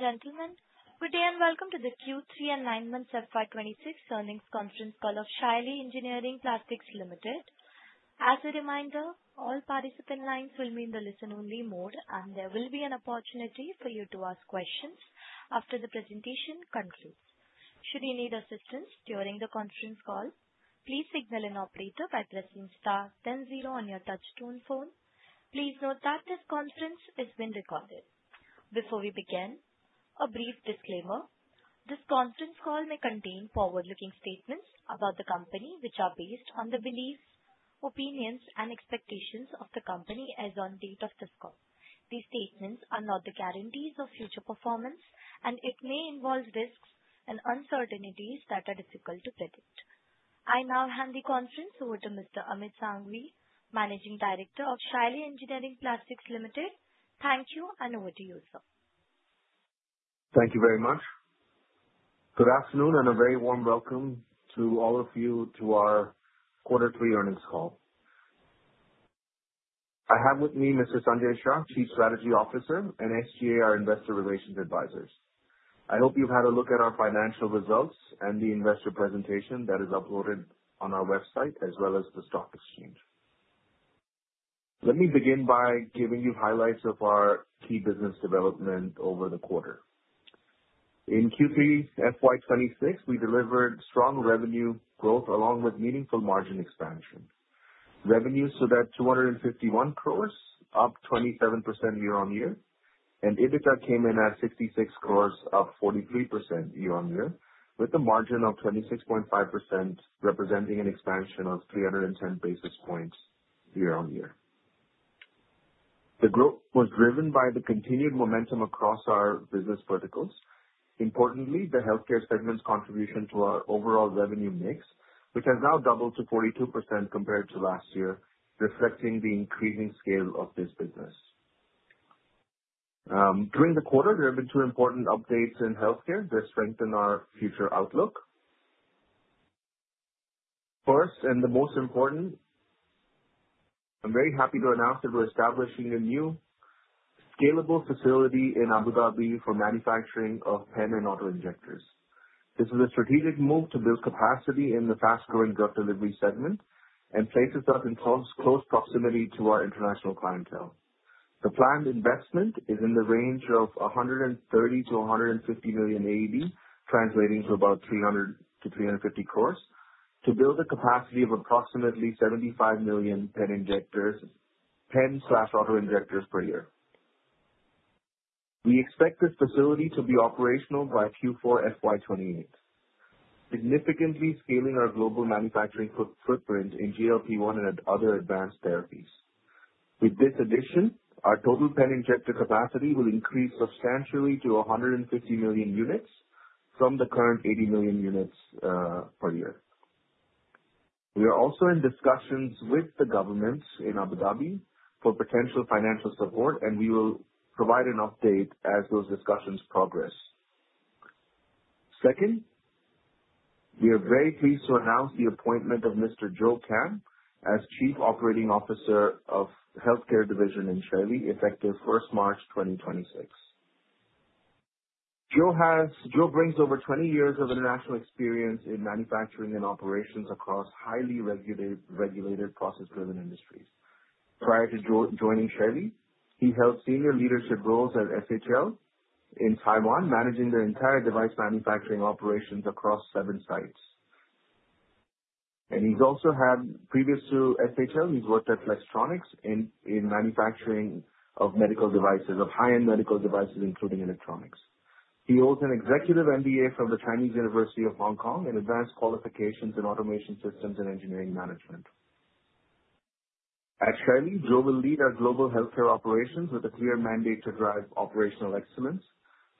Ladies and gentlemen, good day and welcome to the Q3 and nine month FY 2026 earnings conference call of Shaily Engineering Plastics Limited. As a reminder, all participant lines will be in the listen only mode, and there will be an opportunity for you to ask questions after the presentation concludes. Should you need assistance during the conference call, please signal an operator by pressing star then zero on your touchtone phone. Please note that this conference is being recorded. Before we begin, a brief disclaimer. This conference call may contain forward-looking statements about the company, which are based on the beliefs, opinions, and expectations of the company as on date of this call. These statements are not the guarantees of future performance, and it may involve risks and uncertainties that are difficult to predict. I now hand the conference over to Mr. Amit Sanghvi, Managing Director of Shaily Engineering Plastics Limited. Thank you, and over to you, sir. Thank you very much. Good afternoon and a very warm welcome to all of you to our quarter three earnings call. I have with me Mr. Sanjay Shah, Chief Strategy Officer and SGA, our investor relations advisors. I hope you've had a look at our financial results and the investor presentation that is uploaded on our website as well as the stock exchange. Let me begin by giving you highlights of our key business development over the quarter. In Q3 FY 2026, we delivered strong revenue growth along with meaningful margin expansion. Revenues stood at 251 crores, up 27% year-over-year, and EBITDA came in at 66 crores, up 43% year-over-year, with a margin of 26.5%, representing an expansion of 310 basis points year-over-year. The growth was driven by the continued momentum across our business verticals. Importantly, the healthcare segment's contribution to our overall revenue mix, which has now doubled to 42% compared to last year, reflecting the increasing scale of this business. During the quarter, there have been two important updates in healthcare that strengthen our future outlook. First, and the most important, I am very happy to announce that we are establishing a new scalable facility in Abu Dhabi for manufacturing of pen and auto-injectors. This is a strategic move to build capacity in the fast-growing drug delivery segment and places us in close proximity to our international clientele. The planned investment is in the range of 130 million-150 million AED, translating to about 300 crores-350 crores to build a capacity of approximately 75 million pen/auto-injectors per year. We expect this facility to be operational by Q4 FY 2028, significantly scaling our global manufacturing footprint in GLP-1 and other advanced therapies. With this addition, our total pen injector capacity will increase substantially to 150 million units from the current 80 million units per year. We are also in discussions with the governments in Abu Dhabi for potential financial support, and we will provide an update as those discussions progress. Second, we are very pleased to announce the appointment of Mr. Joe Kam as Chief Operating Officer of Healthcare division in Shaily, effective first March 2026. Joe brings over 20 years of international experience in manufacturing and operations across highly regulated, process-driven industries. Prior to joining Shaily, he held senior leadership roles at SHL Medical in Taiwan, managing their entire device manufacturing operations across seven sites. Previous to SHL Medical, he has worked at Flextronics in manufacturing of high-end medical devices, including electronics. He holds an executive MBA from the Chinese University of Hong Kong and advanced qualifications in automation systems and engineering management. At Shaily, Joe will lead our global healthcare operations with a clear mandate to drive operational excellence,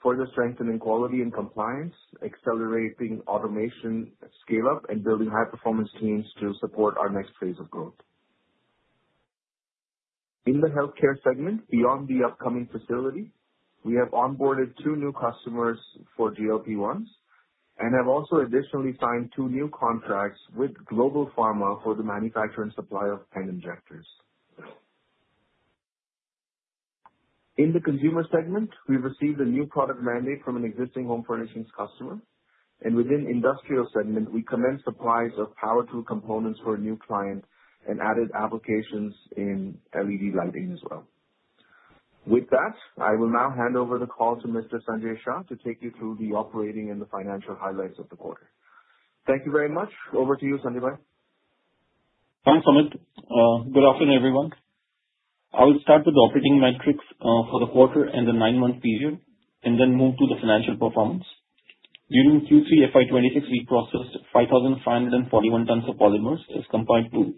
further strengthening quality and compliance, accelerating automation scale-up, and building high-performance teams to support our next phase of growth. In the healthcare segment, beyond the upcoming facility, we have onboarded two new customers for GLP-1s and have also additionally signed two new contracts with Global Pharma for the manufacture and supply of pen injectors. In the consumer segment, we have received a new product mandate from an existing home furnishings customer, and within industrial segment, we commenced supplies of power tool components for a new client and added applications in LED lighting as well. I will now hand over the call to Mr. Sanjay Shah to take you through the operating and the financial highlights of the quarter. Thank you very much. Over to you, Sanjay. Thanks, Amit. Good afternoon, everyone. I will start with the operating metrics for the quarter and the 9-month period and then move to the financial performance. During Q3 FY 2026, we processed 5,541 tons of polymers as compared to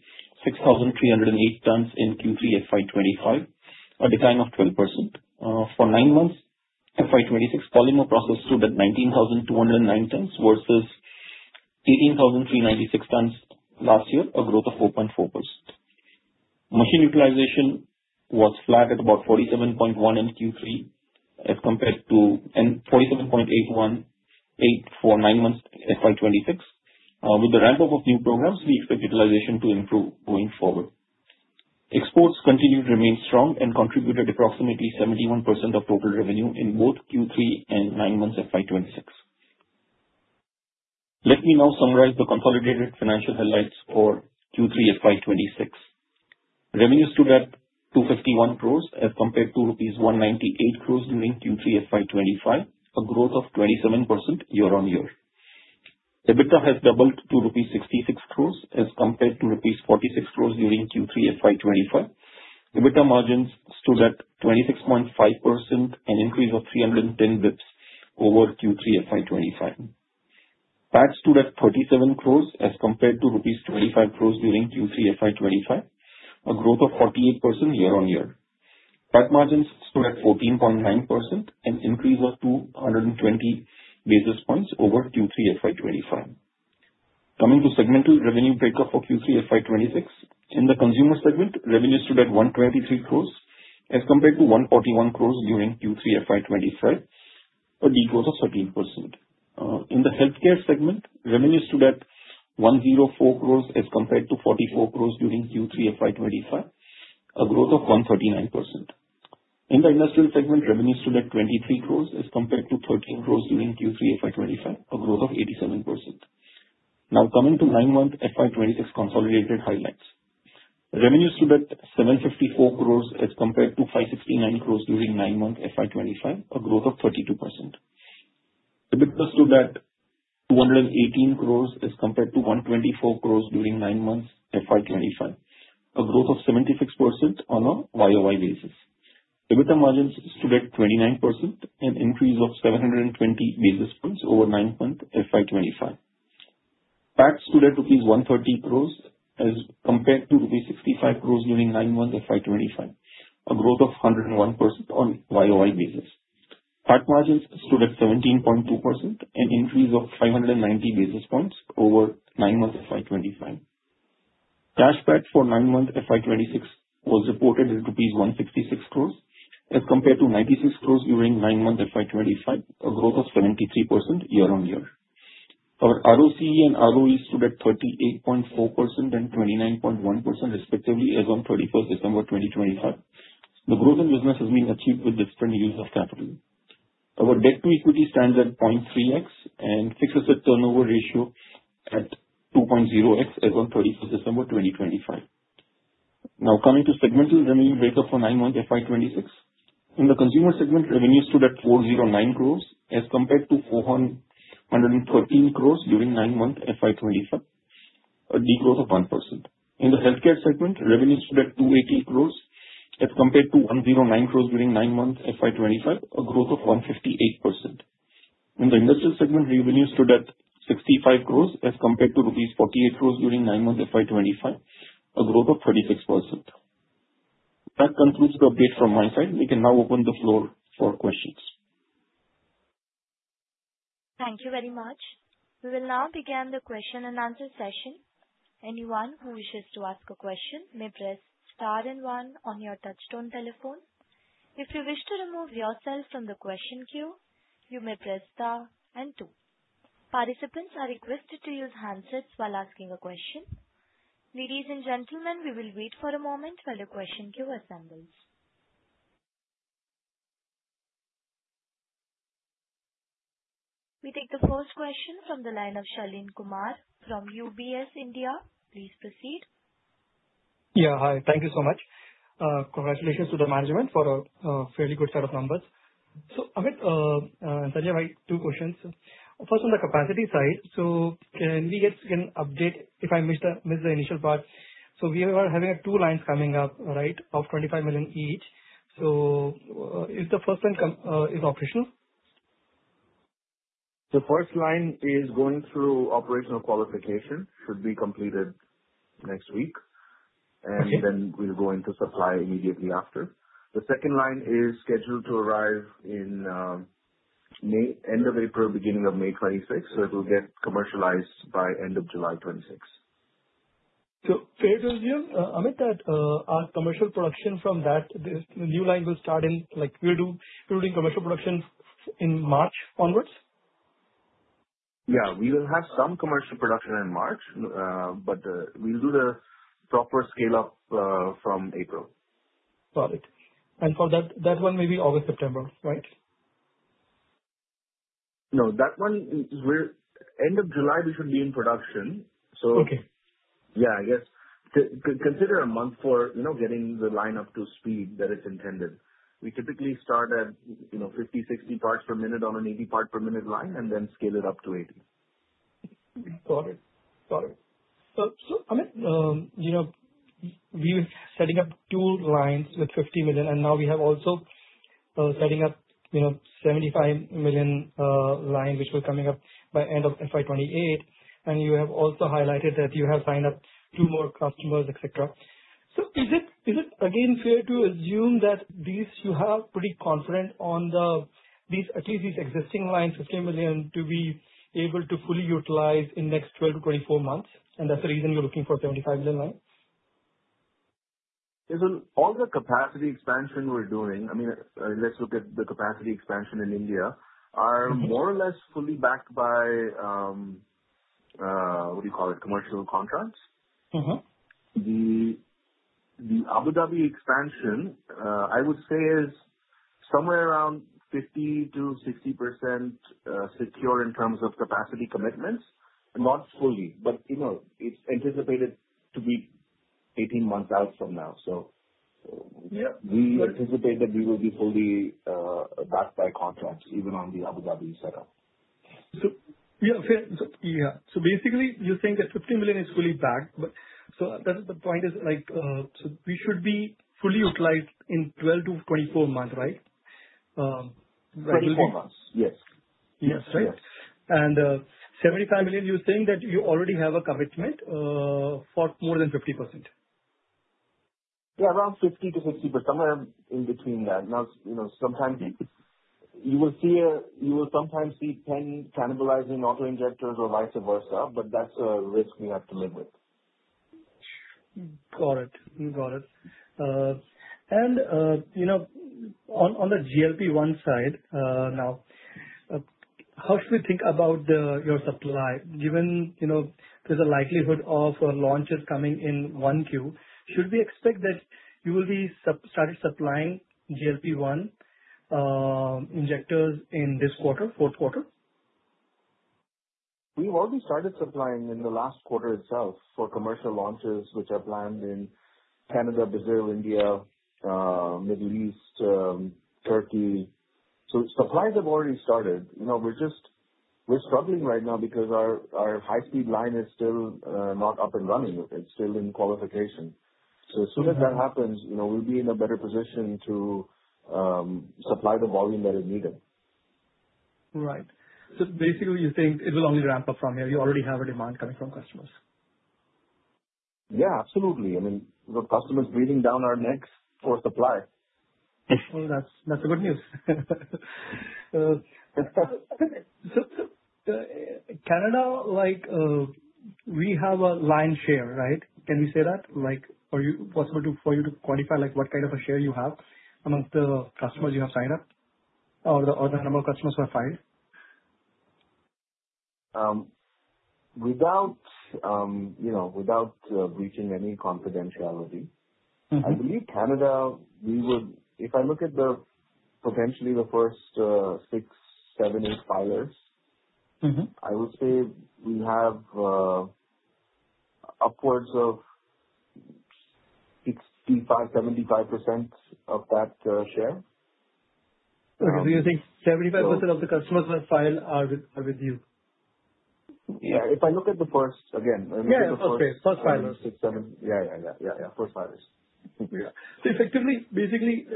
6,308 tons in Q3 FY 2025, a decline of 12%. For 9 months FY 2026, polymer process stood at 19,209 tons versus 18,396 tons last year, a growth of 4.4%. Machine utilization was flat at about 47.1 in Q3 as compared to 47.8184 9 months FY 2026. With the ramp-up of new programs, we expect utilization to improve going forward. Exports continued to remain strong and contributed approximately 71% of total revenue in both Q3 and 9 months of FY 2026. Let me now summarize the consolidated financial highlights for Q3 FY 2026. Revenues stood at 251 crores as compared to rupees 198 crores during Q3 FY 2025, a growth of 27% year-on-year. EBITDA has doubled to rupees 66 crores as compared to rupees 46 crores during Q3 FY 2025. EBITDA margins stood at 26.5%, an increase of 310 basis points over Q3 FY 2025. PAT stood at 37 crores as compared to rupees 25 crores during Q3 FY 2025, a growth of 48% year-on-year. PAT margins stood at 14.9%, an increase of 220 basis points over Q3 FY 2025. Coming to segmental revenue breakup for Q3 FY 2026. In the consumer segment, revenue stood at 123 crores as compared to 141 crores during Q3 FY 2025, a decrease of 13%. In the healthcare segment, revenue stood at 104 crores as compared to 44 crores during Q3 FY 2025, a growth of 139%. In the industrial segment, revenue stood at 23 crores as compared to 13 crores during Q3 FY 2025, a growth of 87%. Now coming to nine-month FY 2026 consolidated highlights. Revenue stood at 754 crores as compared to 569 crores during nine-month FY 2025, a growth of 32%. EBITDA stood at 218 crores as compared to 124 crores during nine months FY 2025, a growth of 76% on a YOY basis. EBITDA margins stood at 29%, an increase of 720 basis points over nine-month FY 2025. PAT stood at rupees 130 crores as compared to rupees 65 crores during nine months FY 2025, a growth of 101% on YOY basis. PAT margins stood at 17.2%, an increase of 590 basis points over nine months FY 2025. Cash PAT for nine-month FY 2026 was reported as rupees 166 crores as compared to 96 crores during nine-month FY 2025, a growth of 73% year-on-year. Our ROCE and ROE stood at 38.4% and 29.1% respectively as on 31st December 2025. The growth in business has been achieved with different use of capital. Our debt to equity stands at 0.3x and fixes a turnover ratio at 2.0x as on 31st December 2025. Now coming to segmental revenue breakup for nine-month FY 2026. In the consumer segment, revenue stood at 409 crores as compared to 413 crores during nine-month FY 2025, a decrease of 1%. In the healthcare segment, revenue stood at 280 crores as compared to 109 crores during nine months FY 2025, a growth of 158%. In the industrial segment, revenue stood at 65 crores as compared to rupees 48 crores during nine months FY 2025, a growth of 36%. That concludes the update from my side. We can now open the floor for questions. Thank you very much. We will now begin the question and answer session. Anyone who wishes to ask a question may press star 1 on your touchtone telephone. If you wish to remove yourself from the question queue, you may press star 2. Participants are requested to use handsets while asking a question. Ladies and gentlemen, we will wait for a moment while the question queue assembles. We take the first question from the line of Shaleen Kumar from UBS India. Please proceed. Hi. Thank you so much. Congratulations to the management for a fairly good set of numbers. Amit, two questions. First, on the capacity side, so can we get an update if I missed the initial part. We are having two lines coming up of 25 million each. Is the first one operational? The first line is going through operational qualification, should be completed next week, and then we'll go into supply immediately after. The second line is scheduled to arrive in end of April, beginning of May 2026, so it will get commercialized by end of July 2026. Fair to assume, Amit, that our commercial production from that, the new line, we're doing commercial productions in March onwards? We will have some commercial production in March, but we'll do the proper scale-up from April. Got it. For that one, maybe August, September, right? No, that one, end of July, we should be in production. Okay. Yeah, I guess consider a month for getting the line up to speed that it's intended. We typically start at 50, 60 parts per minute on an 80 parts per minute line and then scale it up to 80. Got it. Amit, we were setting up two lines with 50 million, and now we have also setting up 75 million line, which was coming up by end of FY 2028, and you have also highlighted that you have signed up two more customers, et cetera. Is it again fair to assume that these, you have pretty confident on at least these existing lines, 50 million, to be able to fully utilize in next 12-24 months, and that's the reason you're looking for 75 million line? Listen, all the capacity expansion we're doing, I mean, let's look at the capacity expansion in India, are more or less fully backed by. What do you call it? Commercial contracts. The Abu Dhabi expansion, I would say is somewhere around 50% to 60% secure in terms of capacity commitments. Not fully, but it's anticipated to be 18 months out from now. Yeah. We anticipate that we will be fully backed by contracts, even on the Abu Dhabi setup. Basically, you're saying that 50 million is fully backed. The point is, we should be fully utilized in 12-24 months, right? 24 months. Yes. Yes. Right. 75 million, you're saying that you already have a commitment for more than 50%? Yeah. Around 50%-60%. Somewhere in between that. You will sometimes see 10 cannibalizing auto-injectors or vice versa, that's a risk we have to live with. Got it. On the GLP-1 side now, how should we think about your supply, given there's a likelihood of launches coming in 1Q. Should we expect that you will be starting supplying GLP-1 injectors in this quarter, fourth quarter? We've already started supplying in the last quarter itself for commercial launches, which are planned in Canada, Brazil, India, Middle East, Turkey. Supplies have already started. We're struggling right now because our high-speed line is still not up and running. It's still in qualification. As soon as that happens, we'll be in a better position to supply the volume that is needed. Right. Basically, you're saying it will only ramp up from here. You already have a demand coming from customers. Yeah, absolutely. I mean, we've got customers breathing down our necks for supply. Well, that's a good news. Canada, we have a lion share, right? Can we say that? Is it possible for you to quantify what kind of a share you have among the customers you have signed up? Or the number of customers who have filed? Without breaching any confidentiality. I believe Canada, if I look at potentially the first six, seven, eight filers. I would say we have upwards of 65%, 75% of that share. You think 75% of the customers who have filed are with you? Yeah, if I look at the first, again. Yeah, okay. First filers. six, seven. Yeah. First filers. Yeah. Effectively, basically,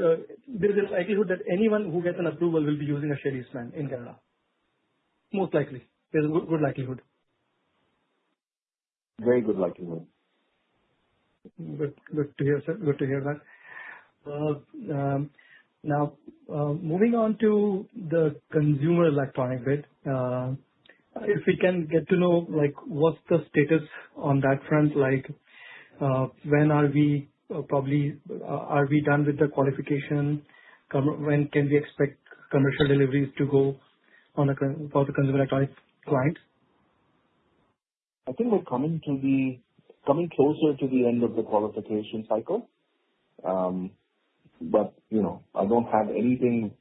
there's a likelihood that anyone who gets an approval will be using a Shaily's pen in Canada. Most likely. There's a good likelihood. Very good likelihood. Good to hear, sir. Good to hear that. Moving on to the consumer electronics bit. If we can get to know what's the status on that front? When are we done with the qualification? When can we expect commercial deliveries to go for the consumer electronics clients? I think we're coming closer to the end of the qualification cycle. I don't have anything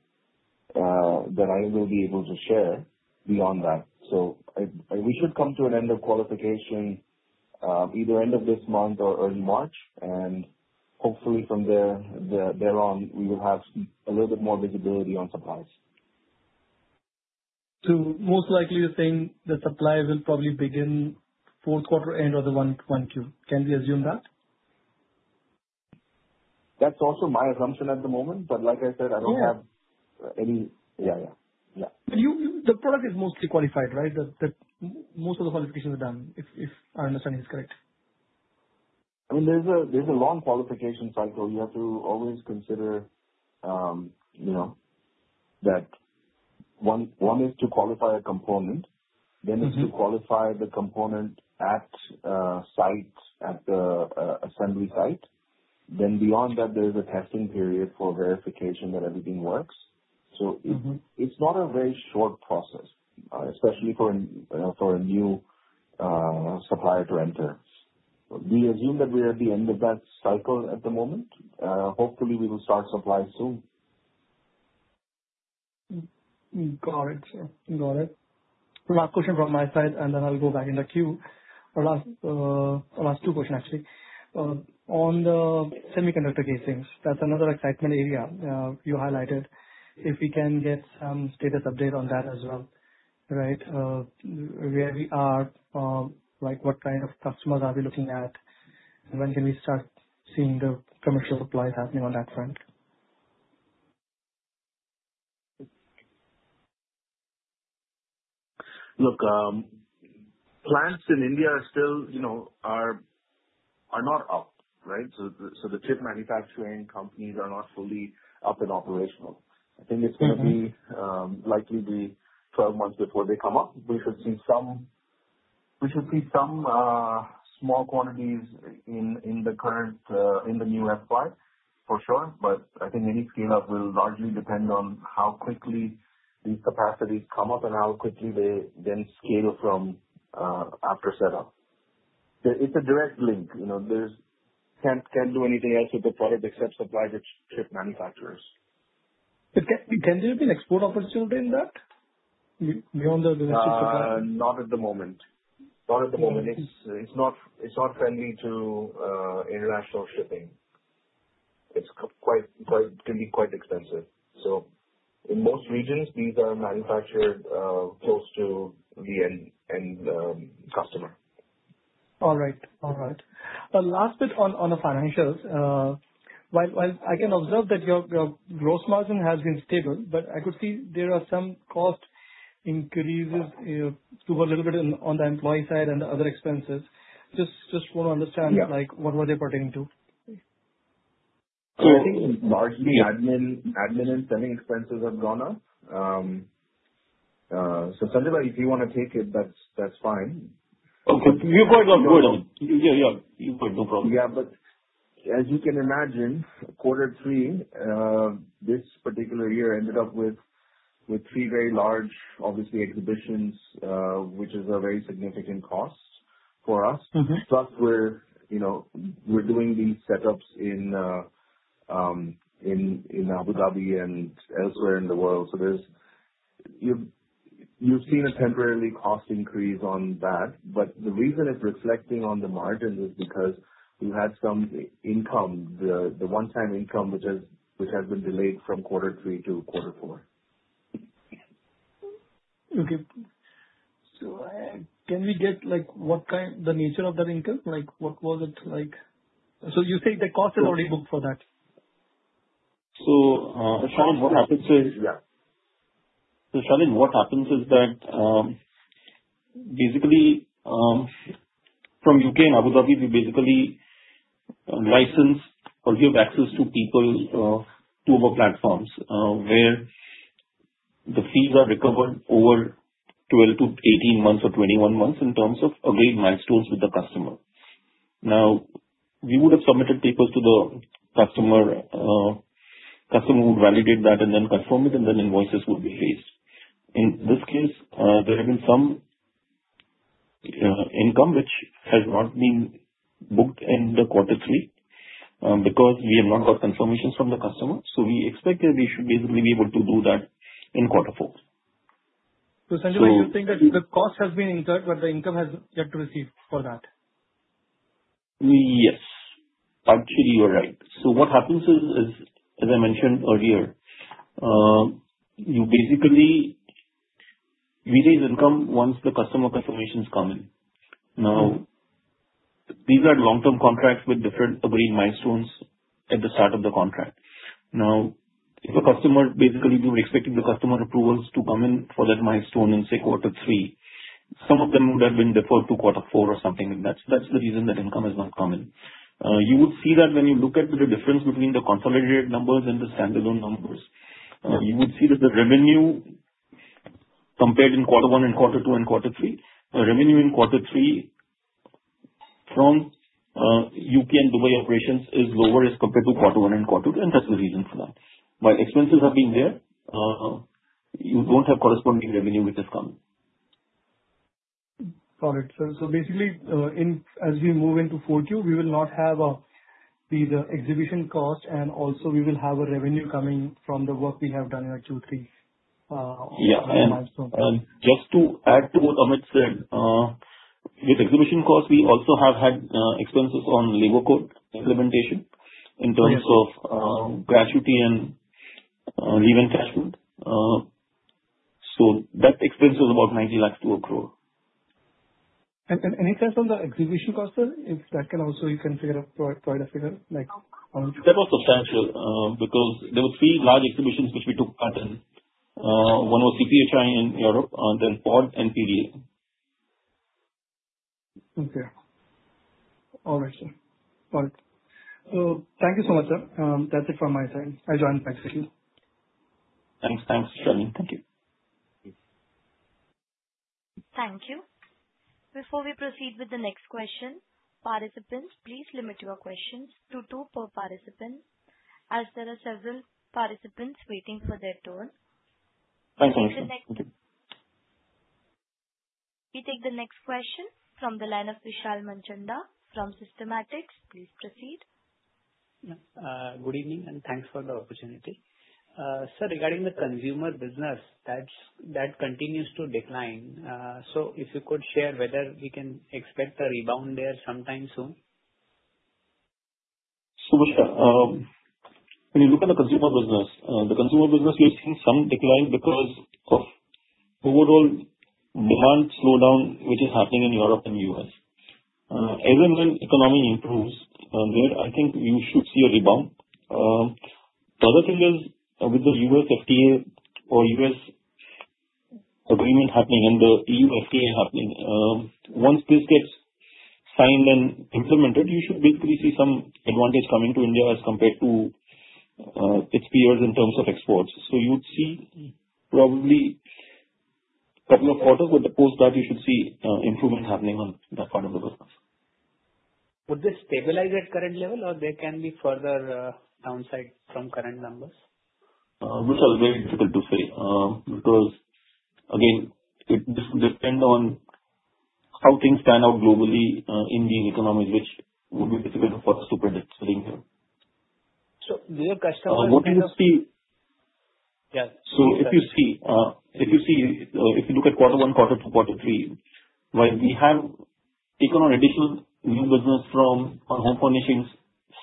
that I will be able to share beyond that. We should come to an end of qualification, either end of this month or early March, and hopefully from there on, we will have a little bit more visibility on supplies. Most likely, you're saying the supply will probably begin fourth quarter, end of the 1Q. Can we assume that? That's also my assumption at the moment, but like I said, I don't have any. The product is mostly qualified, right? Most of the qualification is done, if my understanding is correct. There's a long qualification cycle. You have to always consider that one is to qualify a component, then is to qualify the component at assembly site. Beyond that, there is a testing period for verification that everything works. It's not a very short process, especially for a new supplier to enter. We assume that we are at the end of that cycle at the moment. Hopefully, we will start supply soon. Got it, sir. Got it. Last question from my side, and then I'll go back in the queue. Last two question, actually. On the semiconductor casings, that's another excitement area you highlighted. If we can get some status update on that as well. Where we are, what kind of customers are we looking at? When can we start seeing the commercial supply happening on that front? Look, plants in India are still not up, right? The chip manufacturing companies are not fully up and operational. I think it's going to be likely 12 months before they come up. We should see some small quantities in the new FY. For sure. I can only scale up. It will largely depend on how quickly these capacities come up and how quickly they then scale from after set up. It's a direct link. Can't do anything else with the product except supply the chip manufacturers. Can there be an export opportunity in that beyond the domestic supply? Not at the moment. It's not friendly to international shipping. It can be quite expensive. In most regions, these are manufactured close to the end customer. All right. Last bit on the financials. While I can observe that your gross margin has been stable, but I could see there are some cost increases to a little bit on the employee side and other expenses. Just want to understand what were they pertaining to. I think largely admin and selling expenses have gone up. Sanjay, if you want to take it, that's fine. Okay. You go ahead. Go ahead. Yeah. You go ahead. No problem. Yeah, as you can imagine, quarter three, this particular year ended up with three very large, obviously, exhibitions, which is a very significant cost for us. We're doing these setups in Abu Dhabi and elsewhere in the world. You've seen a temporary cost increase on that. The reason it's reflecting on the margins is because we had some income, the one-time income, which has been delayed from quarter three to quarter four. Okay. Can we get the nature of that income? You say the cost is already booked for that. Shaleen, what happens is that, basically, from U.K. and Abu Dhabi, we basically license or give access to people to our platforms, where the fees are recovered over 12 to 18 months or 21 months in terms of agreed milestones with the customer. Now, we would have submitted papers to the customer. Customer would validate that and then confirm it, and then invoices would be raised. In this case, there have been some income which has not been booked in the quarter three because we have not got confirmations from the customer. We expect that we should basically be able to do that in quarter four. Sanjay, you think that the cost has been incurred, but the income has yet to receive for that? Yes. Actually, you're right. What happens is, as I mentioned earlier, you basically realize income once the customer confirmation's come in. Now, these are long-term contracts with different agreed milestones at the start of the contract. Now, if basically, we were expecting the customer approvals to come in for that milestone in, say, quarter three. Some of them would have been deferred to quarter four or something, and that's the reason that income has not come in. You would see that when you look at the difference between the consolidated numbers and the standalone numbers. You would see that the revenue compared in quarter one and quarter two and quarter three. The revenue in quarter three from U.K. and Dubai operations is lower as compared to quarter one and quarter two, and that's the reason for that. While expenses have been there, you don't have corresponding revenue which has come in. Got it, sir. Basically, as we move into four two, we will not have these exhibition costs, and also we will have a revenue coming from the work we have done in our two three milestone. Yeah. Just to add to what Amit said, with exhibition costs, we also have had expenses on labor code implementation in terms of gratuity and leave encashment. That expense was about 90 lakhs to 1 crore. Any sense on the exhibition cost, sir? If that can also you can figure a prior figure. That was substantial because there were three large exhibitions which we took part in. One was CPHI in Europe, then Pharmapack, and PDA. Okay. All right, sir. Got it. Thank you so much, sir. That's it from my side. I join back, thank you. Thanks. Thanks, Shaleen. Thank you. Thank you. Before we proceed with the next question, participants, please limit your questions to two per participant, as there are several participants waiting for their turn. Thank you. We take the next question from the line of Vishal Manchanda from Systematix. Please proceed. Good evening, and thanks for the opportunity. Sir, regarding the consumer business, that continues to decline. If you could share whether we can expect a rebound there sometime soon. Sure. When you look at the consumer business, the consumer business is seeing some decline because of overall demand slowdown, which is happening in Europe and U.S. As and when economy improves, there I think you should see a rebound. The other thing is with the US FTA or U.S. agreement happening and the EU FTA happening. Once this gets signed and implemented, you should basically see some advantage coming to India as compared to its peers in terms of exports. You'd see probably couple of quarters with the post that you should see improvement happening on that part of the business. Would this stabilize at current level or there can be further downside from current numbers? This is very difficult to say because again, it depend on how things turn out globally in the economy, which would be difficult for us to predict sitting here. These are customers. What you see. Yeah. If you see, if you look at quarter 1, quarter 2, quarter 3, while we have taken on additional new business from our home furnishings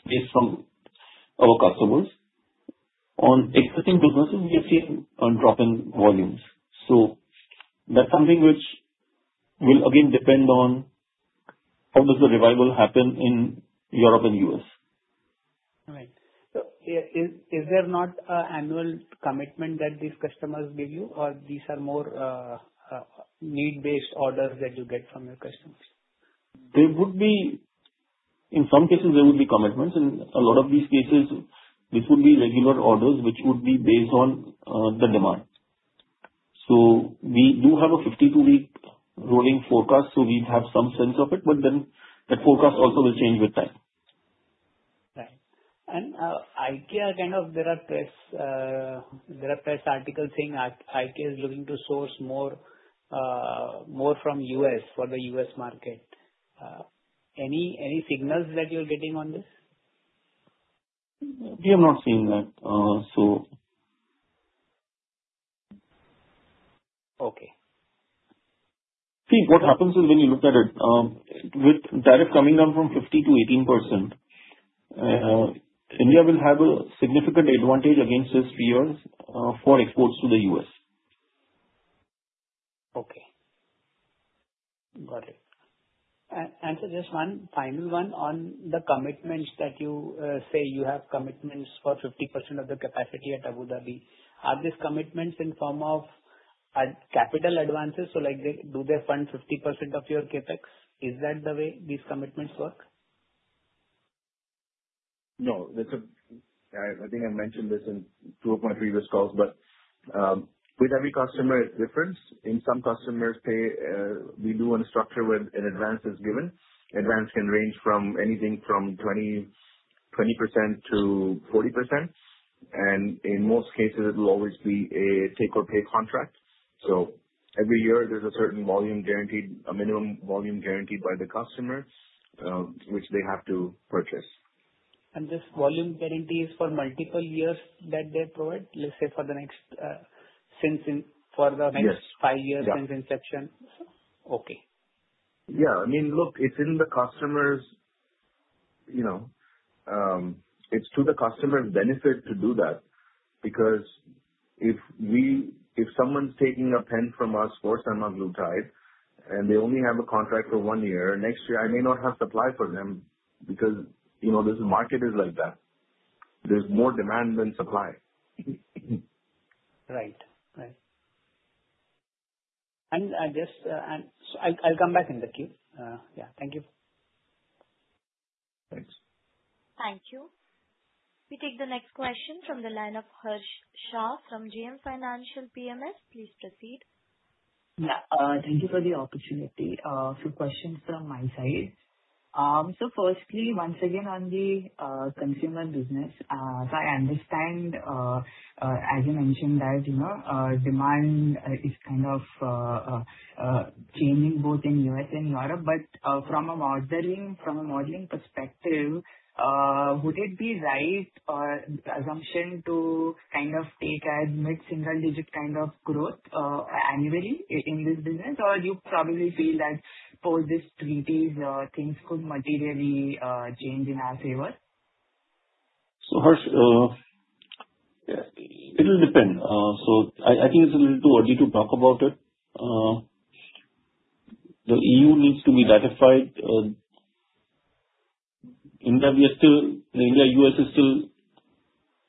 space from our customers, on existing businesses, we are seeing a drop in volumes. That's something which will again depend on how does the revival happen in Europe and U.S. Right. Is there not an annual commitment that these customers give you or these are more need-based orders that you get from your customers? In some cases, there would be commitments, in a lot of these cases, it would be regular orders, which would be based on the demand. We do have a 52-week rolling forecast, we have some sense of it, that forecast also will change with time. Right. IKEA, there are press article saying IKEA is looking to source more from U.S. for the U.S. market. Any signals that you're getting on this? We have not seen that. Okay. What happens is when you look at it, with tariff coming down from 50% to 18%, India will have a significant advantage against its peers for exports to the U.S. Okay. Got it. Just one final one on the commitments that you say you have commitments for 50% of the capacity at Abu Dhabi. Are these commitments in form of capital advances? Do they fund 50% of your CapEx? Is that the way these commitments work? No. I think I mentioned this in two of my previous calls, but with every customer, it's different. In some customers, say, we do a structure where an advance is given. Advance can range from anything from 20% to 40%, and in most cases, it will always be a take or pay contract. Every year there's a certain volume guaranteed, a minimum volume guaranteed by the customer which they have to purchase. This volume guarantee is for multiple years that they provide, let's say for the next five years. Yes since inception? Yeah. Okay. Yeah. Look, it's to the customer's benefit to do that. Because if someone's taking a pen from us or semaglutide and they only have a contract for one year, next year I may not have supply for them because this market is like that. There's more demand than supply. Right. I'll come back in the queue. Yeah. Thank you. Thanks. Thank you. We take the next question from the line of Harsh Shah from GM Financial PMS. Please proceed. Yeah. Thank you for the opportunity. Few questions from my side. First, once again, on the consumer business. I understand, as you mentioned that demand is kind of chaining both in U.S. and Europe, but from a modeling perspective, would it be right assumption to take a mid-single-digit kind of growth annually in this business? Or you probably feel that post this treaties things could materially change in our favor? Harsh, it'll depend. I think it's a little too early to talk about it. The EU needs to be ratified. India, U.S.,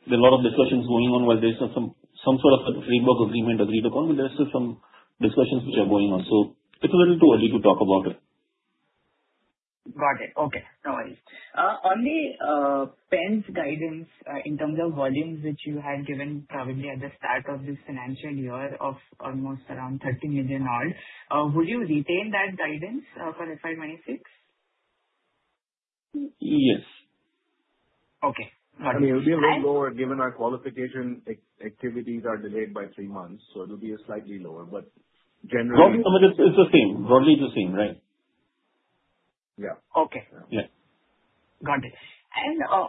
there are a lot of discussions going on where there's some sort of framework agreement agreed upon. There are still some discussions which are going on. It's a little too early to talk about it. Got it. Okay. No worries. On the pens guidance in terms of volumes which you had given probably at the start of this financial year of almost around 30 million odd, would you retain that guidance for FY 2026? Yes. Okay. Got it. It'll be a bit lower given our qualification activities are delayed by three months, so it'll be slightly lower. Generally. No, it's the same. Broadly the same, right? Yeah. Okay. Yeah. Got it.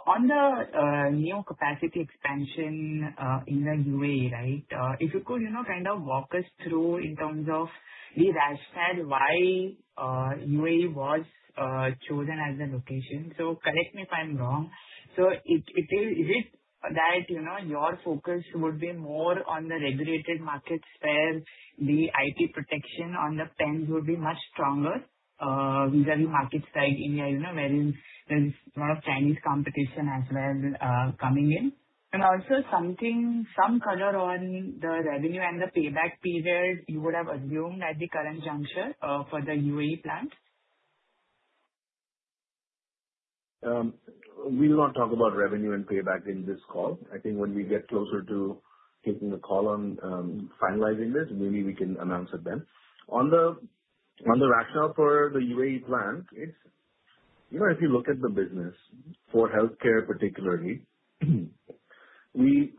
On the new capacity expansion in the UAE. If you could walk us through in terms of the rationale why UAE was chosen as the location. Correct me if I'm wrong. Is it that your focus would be more on the regulated markets where the IP protection on the pens would be much stronger vis-a-vis markets like India where there's a lot of Chinese competition as well coming in? Also some color on the revenue and the payback period you would have assumed at the current juncture for the UAE plant. We will not talk about revenue and payback in this call. I think when we get closer to taking the call on finalizing this, maybe we can announce it then. On the rationale for the UAE plant, if you look at the business, for healthcare particularly, we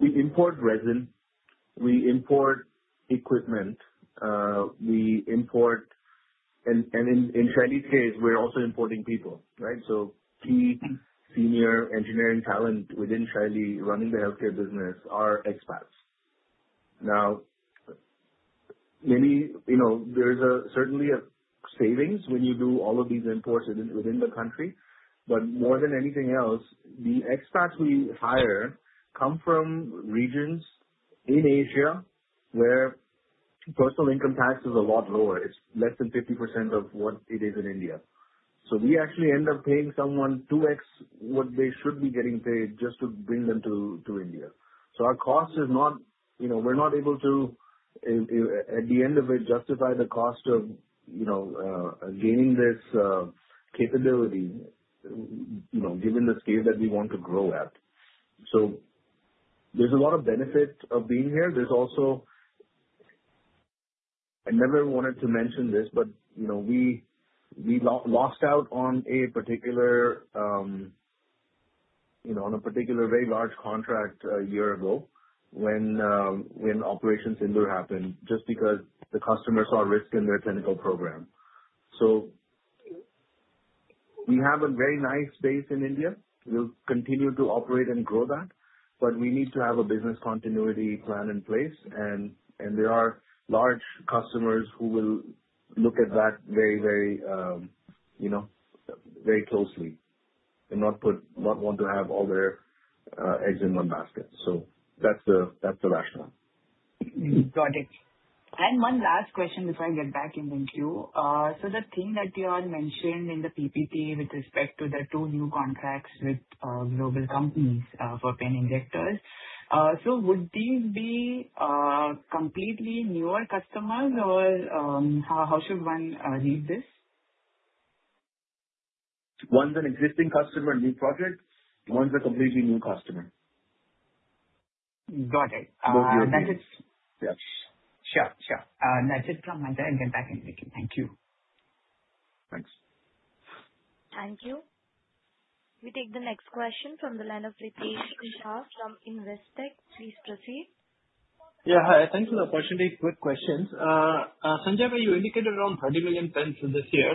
import resin, we import equipment, and in Shaily's case, we're also importing people. Right? Key senior engineering talent within Shaily running the healthcare business are expats. There's certainly a savings when you do all of these imports within the country. More than anything else, the expats we hire come from regions in Asia where personal income tax is a lot lower. It's less than 50% of what it is in India. We actually end up paying someone 2x what they should be getting paid just to bring them to India. Our cost, we're not able to, at the end of it, justify the cost of gaining this capability, given the scale that we want to grow at. There's a lot of benefit of being here. I never wanted to mention this, we lost out on a particular very large contract a year ago when Operation Sindoor happened, just because the customer saw a risk in their clinical program. We have a very nice base in India. We'll continue to operate and grow that, we need to have a business continuity plan in place, there are large customers who will look at that very closely and not want to have all their eggs in one basket. That's the rationale. Got it. One last question before I get back in the queue. The thing that you all mentioned in the PPT with respect to the two new contracts with global companies for pen injectors. Would these be completely newer customers or how should one read this? One's an existing customer, new project. One's a completely new customer. Got it. What would you agree? That's it. Yes. Sure. That's it from my end. Get back in the queue. Thank you. Thanks. Thank you. We take the next question from the line of Ritesh Kumar from Investec. Please proceed. Yeah. Hi. Thanks for the opportunity. Quick questions. Sanjiv, you indicated around 30 million spend for this year.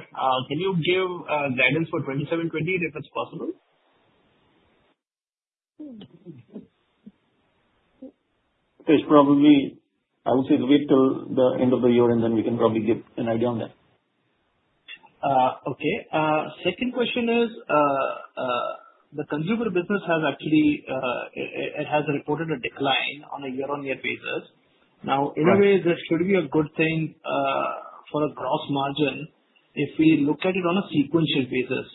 Can you give guidance for 2027, if it's possible? It's probably, I would say wait till the end of the year and then we can probably give an idea on that. Okay. Second question is, the consumer business has actually reported a decline on a year-on-year basis. Now, in a way, that should be a good thing for a gross margin if we look at it on a sequential basis.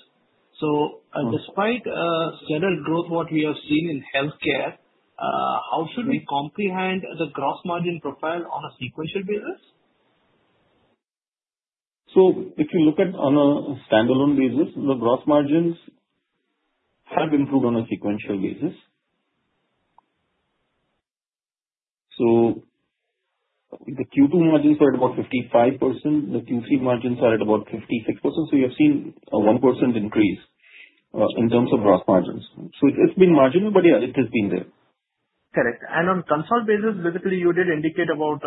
Despite steady growth, what we are seeing in healthcare, how should we comprehend the gross margin profile on a sequential basis? If you look at on a standalone basis, the gross margins have improved on a sequential basis. The Q2 margins are at about 55%, the Q3 margins are at about 56%. You have seen a 1% increase in terms of gross margins. It's been marginal, but yeah, it has been there. Correct. On a consolidated basis, basically, you did indicate about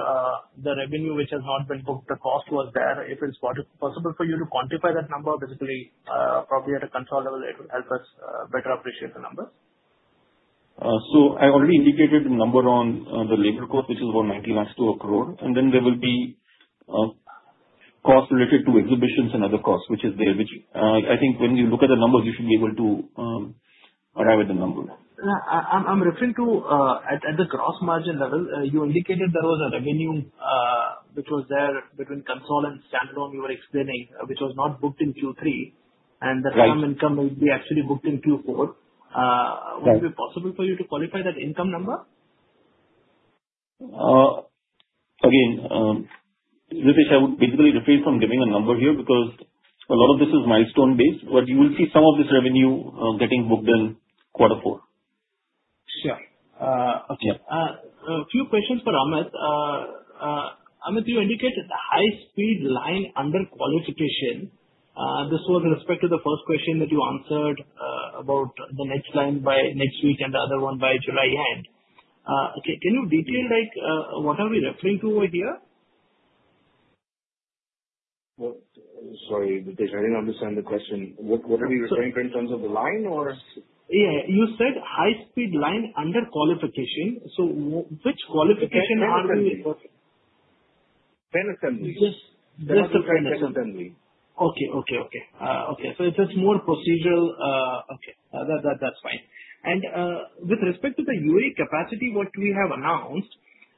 the revenue which has not been booked. The cost was there. If it's possible for you to quantify that number, basically, probably at a consolidated level, it will help us better appreciate the numbers. I already indicated the number on the labor cost, which is about 90 lakhs-1 crore. Then there will be a cost related to exhibitions and other costs, which is there. I think when you look at the numbers, you should be able to arrive at the number. No. I'm referring to at the gross margin level, you indicated there was a revenue which was there between consolidated and standalone, you were explaining, which was not booked in Q3. Right. That income will be actually booked in Q4. Right. Would it be possible for you to qualify that income number? Again, Ritesh, I would basically refrain from giving a number here because a lot of this is milestone-based. You will see some of this revenue getting booked in quarter four. Sure. Okay. Yeah. A few questions for Amit. Amit, you indicated the high-speed line under qualification. This was with respect to the first question that you answered about the next line by next week and the other one by July end. Okay. Can you detail what are we referring to over here? Sorry, Ritesh, I didn't understand the question. What are we referring to in terms of the line or? Yeah. You said high-speed line under qualification. Which qualification are we- Pen assembly. Pen assembly. Just- Pen assembly Pen assembly. Okay. It is more procedural. Okay. That's fine. With respect to the UAE capacity, what we have announced,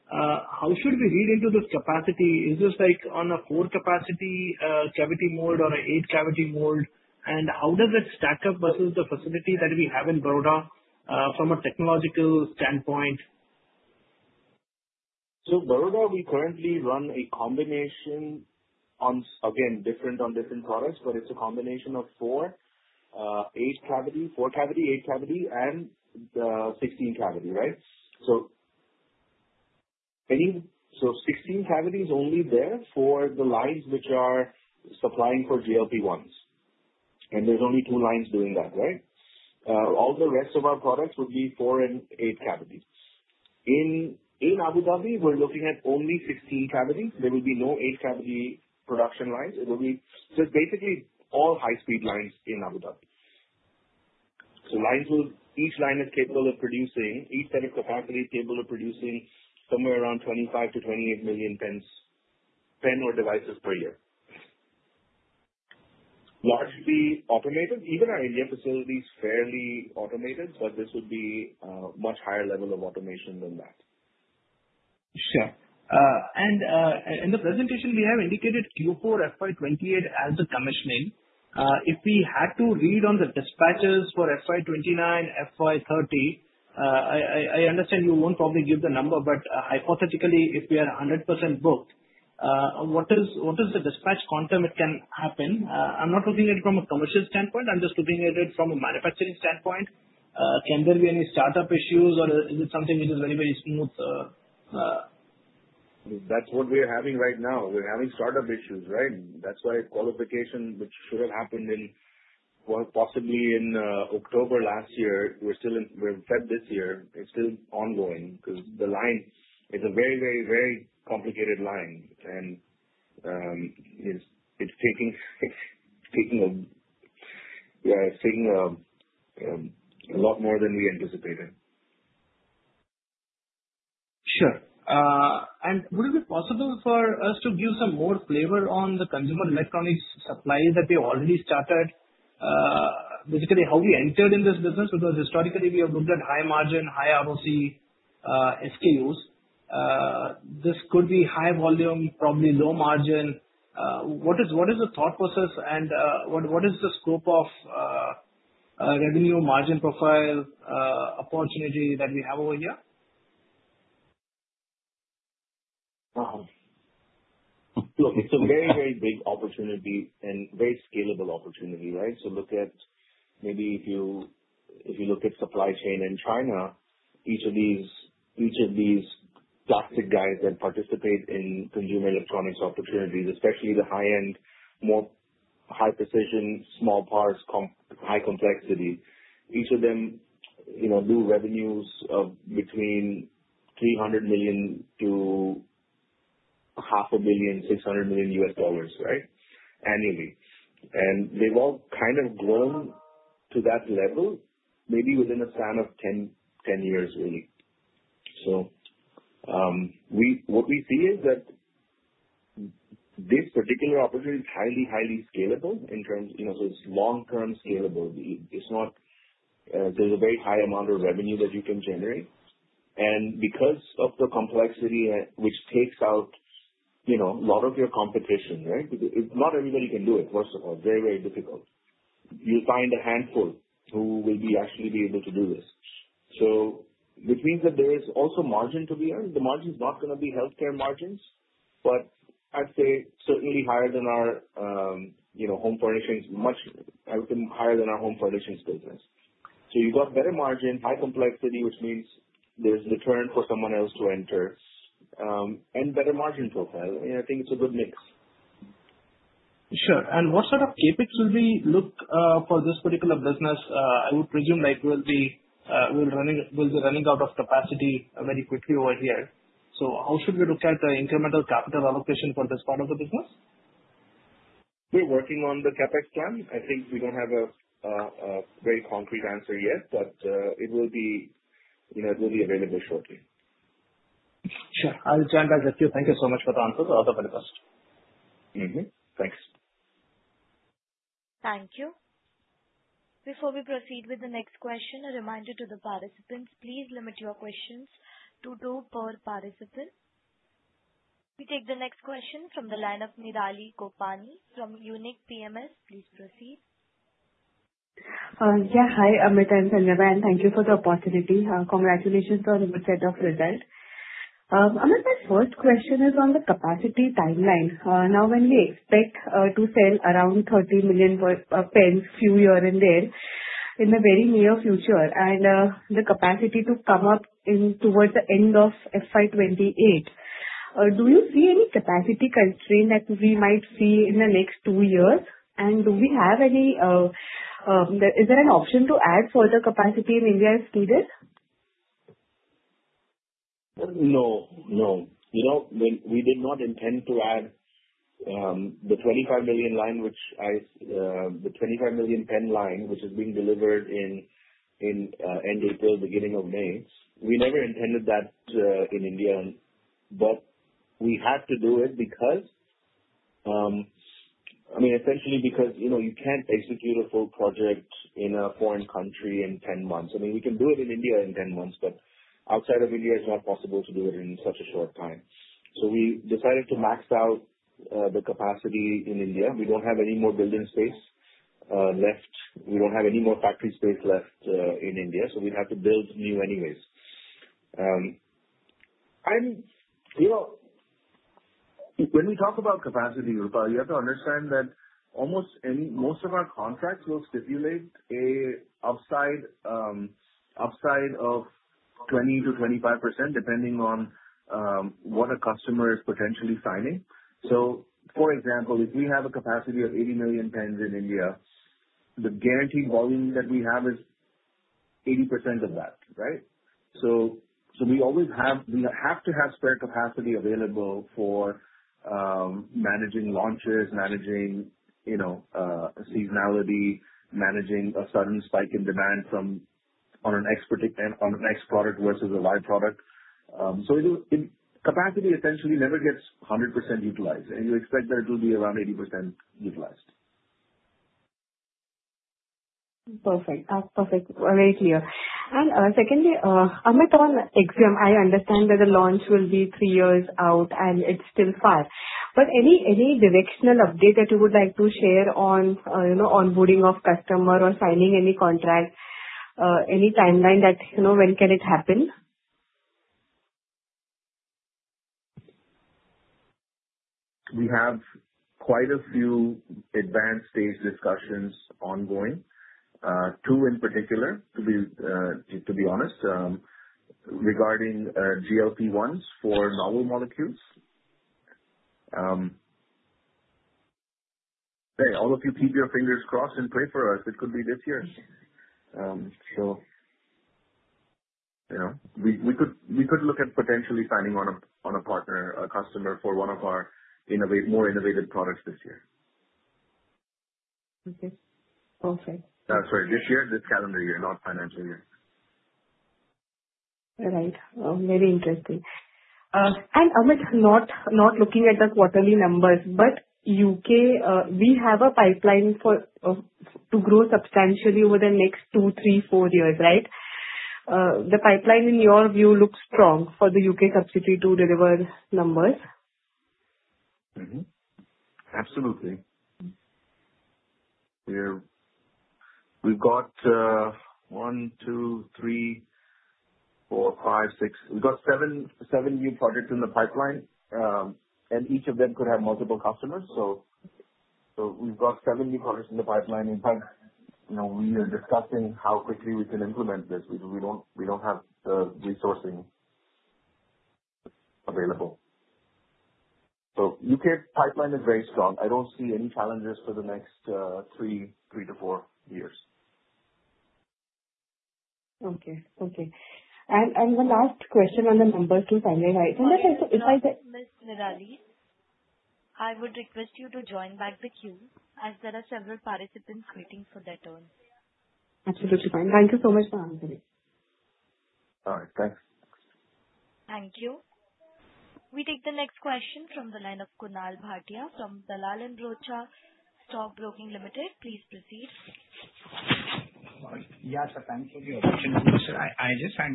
how should we read into this capacity? Is this on a four-capacity cavity mold or an eight-cavity mold? How does that stack up versus the facility that we have in Vadodara from a technological standpoint? Vadodara, we currently run a combination on, again, different on different products, but it's a combination of four, eight-cavity, four-cavity, eight-cavity, and the 16-cavity, right? 16-cavity is only there for the lines which are supplying for GLP-1s. There's only two lines doing that, right? All the rest of our products would be four and eight cavities. In Abu Dhabi, we're looking at only 16 cavities. There will be no eight-cavity production lines. It will be just basically all high-speed lines in Abu Dhabi. Each line of capacity is capable of producing somewhere around 25 to 28 million pen or devices per year. Largely automated. Even our India facility is fairly automated, but this would be a much higher level of automation than that. Sure. In the presentation, we have indicated Q4 FY 2028 as the commissioning. If we had to read on the dispatches for FY 2029, FY 2030, I understand you won't probably give the number, but hypothetically, if we are 100% booked, what is the dispatch quantum it can happen? I'm not looking at it from a commercial standpoint, I'm just looking at it from a manufacturing standpoint. Can there be any startup issues, or is it something which is very, very smooth? That's what we're having right now. We're having startup issues, right. That's why qualification, which should have happened possibly in October last year, we're in February this year, it's still ongoing because it's a very complicated line and it's taking a lot more than we anticipated. Sure. Would it be possible for us to give some more flavor on the consumer electronics supplies that we already started? Basically, how we entered in this business, because historically, we have looked at high margin, high ROCE SKUs. This could be high volume, probably low margin. What is the thought process and what is the scope of revenue margin profile opportunity that we have over here? Look, it's a very, very big opportunity and very scalable opportunity, right. Maybe if you look at supply chain in China, each of these plastic guys that participate in consumer electronics opportunities, especially the high-end, more high precision, small parts, high complexity, each of them do revenues of between $300 million to half a billion, $600 million, right. Annually. They've all kind of grown to that level, maybe within a span of 10 years only. What we see is that this particular opportunity is highly scalable. It's long-term scalable. There's a very high amount of revenue that you can generate, and because of the complexity which takes out a lot of your competition, right. Not everybody can do it, first of all. Very difficult. You find a handful who will be actually be able to do this. Which means that there is also margin to be earned. The margin is not going to be healthcare margins, but I'd say certainly higher than our home furnishings business. You've got better margin, high complexity, which means there's deterrent for someone else to enter, and better margin profile. I think it's a good mix. Sure. What sort of CapEx will we look for this particular business? I would presume we'll be running out of capacity very quickly over here. How should we look at the incremental capital allocation for this part of the business? We're working on the CapEx plan. I think we don't have a very concrete answer yet, but it will be available shortly. Sure. I'll stand by with you. Thank you so much for the answers to all the questions. Thanks. Thank you. Before we proceed with the next question, a reminder to the participants, please limit your questions to two per participant. We take the next question from the line of Nirali Gopani from Unique PMS. Please proceed. Yeah. Hi, Amit and Sanjay Shah, thank you for the opportunity. Congratulations on the set of results. Amit, my first question is on the capacity timeline. When we expect to sell around 30 million pens few year in there in the very near future, and the capacity to come up towards the end of FY 2028. Do you see any capacity constraint that we might see in the next two years? Is there an option to add further capacity in India as needed? No. We did not intend to add the 25 million pen line, which is being delivered in end April, beginning of May. We never intended that in India, but we had to do it essentially because you can't execute a full project in a foreign country in 10 months. I mean, we can do it in India in 10 months, but outside of India, it's not possible to do it in such a short time. We decided to max out the capacity in India. We don't have any more building space we don't have any more factory space left in India, so we'd have to build new anyways. When we talk about capacity, Rupa, you have to understand that most of our contracts will stipulate a upside of 20%-25%, depending on what a customer is potentially signing. For example, if we have a capacity of 80 million pens in India, the guaranteed volume that we have is 80% of that, right? We have to have spare capacity available for managing launches, managing seasonality, managing a sudden spike in demand on a next product versus a live product. Capacity essentially never gets 100% utilized, and you expect that it will be around 80% utilized. Secondly, Amit, on ExEm, I understand that the launch will be three years out, and it's still far. Any directional update that you would like to share on onboarding of customer or signing any contract, any timeline that when can it happen? We have quite a few advanced stage discussions ongoing. Two in particular, to be honest, regarding GLP-1s for novel molecules. Hey, all of you keep your fingers crossed and pray for us. It could be this year. We could look at potentially signing on a partner, a customer for one of our more innovative products this year. Okay. Perfect. Sorry, this year, this calendar year, not financial year. Right. Very interesting. Amit, not looking at the quarterly numbers, but U.K., we have a pipeline to grow substantially over the next two, three, four years, right? The pipeline, in your view, looks strong for the U.K. subsidiary to deliver numbers? Absolutely. We've got seven new projects in the pipeline, each of them could have multiple customers. We've got seven new projects in the pipeline. In fact, we are discussing how quickly we can implement this. We don't have the resourcing available. U.K. pipeline is very strong. I don't see any challenges for the next three to four years. Okay. The last question on the numbers. Miss Nirali, I would request you to join back the queue as there are several participants waiting for their turn. Absolutely fine. Thank you so much for answering. All right. Thanks. Thank you. We take the next question from the line of Kunal Bhatia from Dalal & Broacha Stock Broking Limited. Please proceed. Thanks for the opportunity. I just had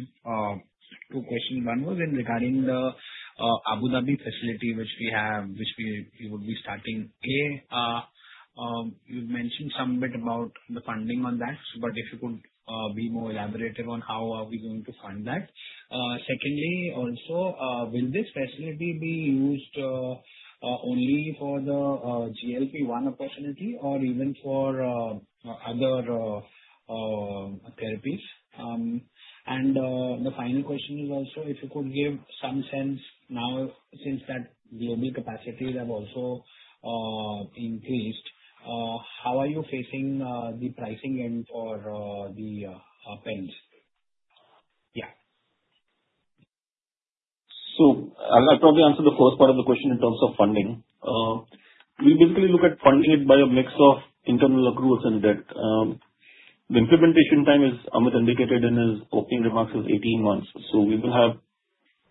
two questions. One was in regarding the Abu Dhabi facility which we would be starting. A, you've mentioned some bit about the funding on that, but if you could be more elaborative on how are we going to fund that. Secondly, also, will this facility be used only for the GLP-1 opportunity or even for other therapies? The final question is also, if you could give some sense now since that global capacities have also increased, how are you facing the pricing end for the pens? I'll probably answer the first part of the question in terms of funding. We basically look at funding it by a mix of internal accruals and debt. The implementation time, as Amit indicated in his opening remarks, is 18 months. We will have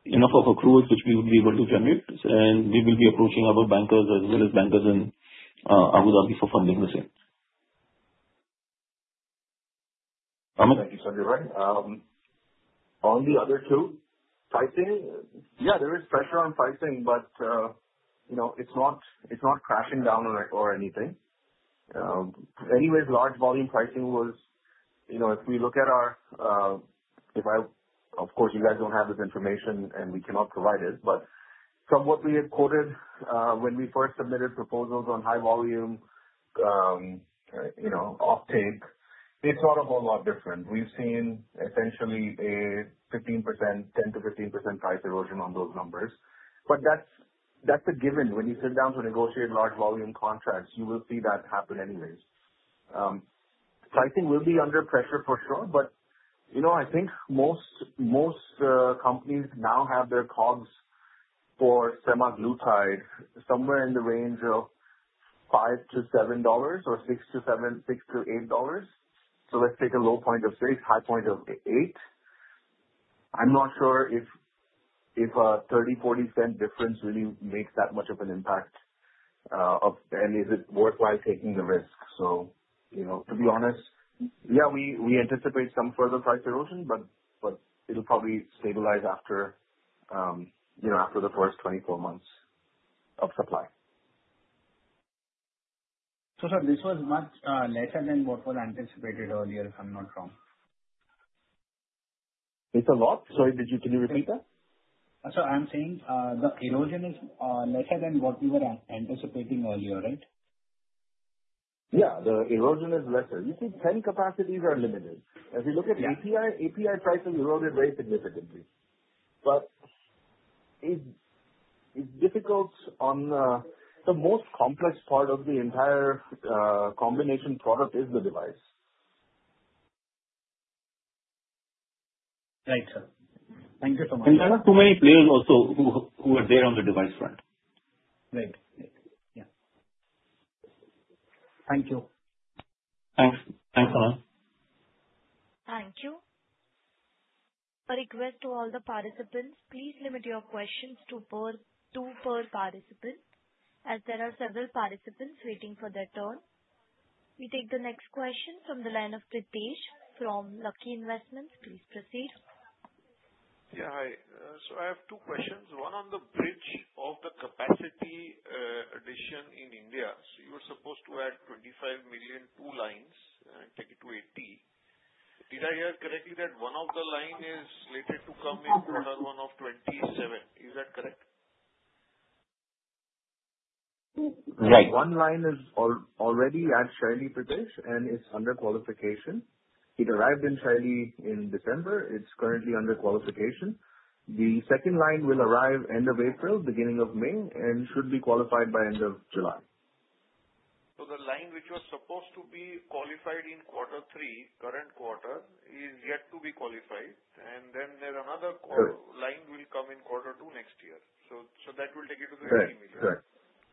enough of accruals which we would be able to generate, and we will be approaching our bankers as well as bankers in Abu Dhabi for funding the same. Amit? Thank you, Sandeep. On the other two, pricing, yeah, there is pressure on pricing, it's not crashing down or anything. Large volume pricing was, if we look at our-- of course, you guys don't have this information, and we cannot provide it, but from what we had quoted when we first submitted proposals on high volume offtake, it's not a whole lot different. We've seen essentially a 10%-15% price erosion on those numbers. That's a given. When you sit down to negotiate large volume contracts, you will see that happen anyways. Pricing will be under pressure for sure, but I think most companies now have their COGS for semaglutide somewhere in the range of $5-$7 or $6-$8. Let's take a low point of $6, high point of $8. I'm not sure if a $0.30, $0.40 difference really makes that much of an impact, and is it worthwhile taking the risk. To be honest, yeah, we anticipate some further price erosion, it'll probably stabilize after the first 24 months. Of supply. This was much lesser than what was anticipated earlier, if I'm not wrong. It's a lot. Sorry, could you repeat that? Sir, I'm saying the erosion is lesser than what we were anticipating earlier, right? Yeah, the erosion is lesser. You see, pen capacities are limited. As we look at API prices eroded very significantly. It's difficult on the most complex part of the entire combination product is the device. Right, sir. Thank you so much. There are too many players also who are there on the device front. Right. Yeah. Thank you. Thanks. Thanks, Anand. Thank you. A request to all the participants. Please limit your questions to per participant, as there are several participants waiting for their turn. We take the next question from the line of Pritesh from Lucky Investment. Please proceed. Yeah. Hi. I have two questions. One on the bridge of the capacity addition in India. You were supposed to add 25 million two lines and take it to 80. Did I hear correctly that one of the line is slated to come in quarter one of 2027. Is that correct? Right. One line is already at Shaily, Pritesh, and it's under qualification. It arrived in Shaily in December. It's currently under qualification. The second line will arrive end of April, beginning of May, and should be qualified by end of July. The line which was supposed to be qualified in quarter three, current quarter, is yet to be qualified, and then there's another line will come in quarter two next year. Correct. 80 million. Correct.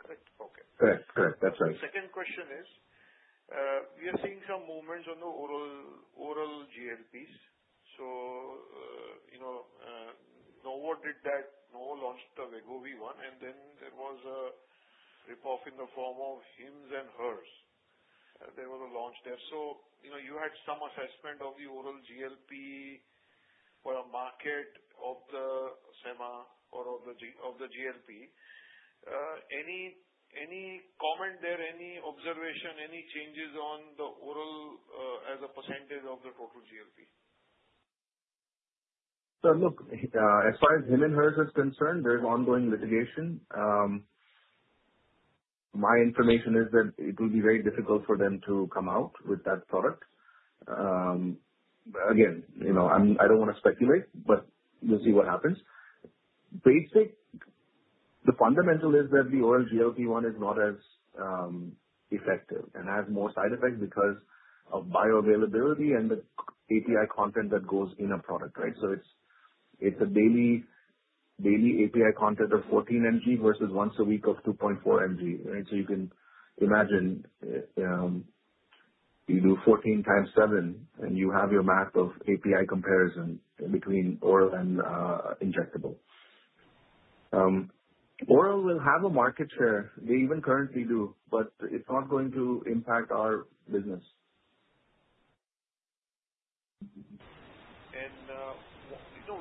Correct. Okay. Correct. That's right. The second question is, we are seeing some movements on the oral GLPs. Novo did that. Novo launched the Wegovy one, and then there was a rip-off in the form of Hims & Hers. There was a launch there. You had some assessment of the oral GLP or a market of the sema or of the GLP. Any comment there, any observation, any changes on the oral as a percentage of the total GLP? Sir, look, as far as Hims & Hers is concerned, there's ongoing litigation. My information is that it will be very difficult for them to come out with that product. Again, I don't want to speculate, but we'll see what happens. The fundamental is that the oral GLP-1 is not as effective and has more side effects because of bioavailability and the API content that goes in a product, right? It's a daily API content of 14 mg versus once a week of 2.4 mg, right? You can imagine, you do 14 times seven, and you have your math of API comparison between oral and injectable. Oral will have a market share. They even currently do, but it's not going to impact our business.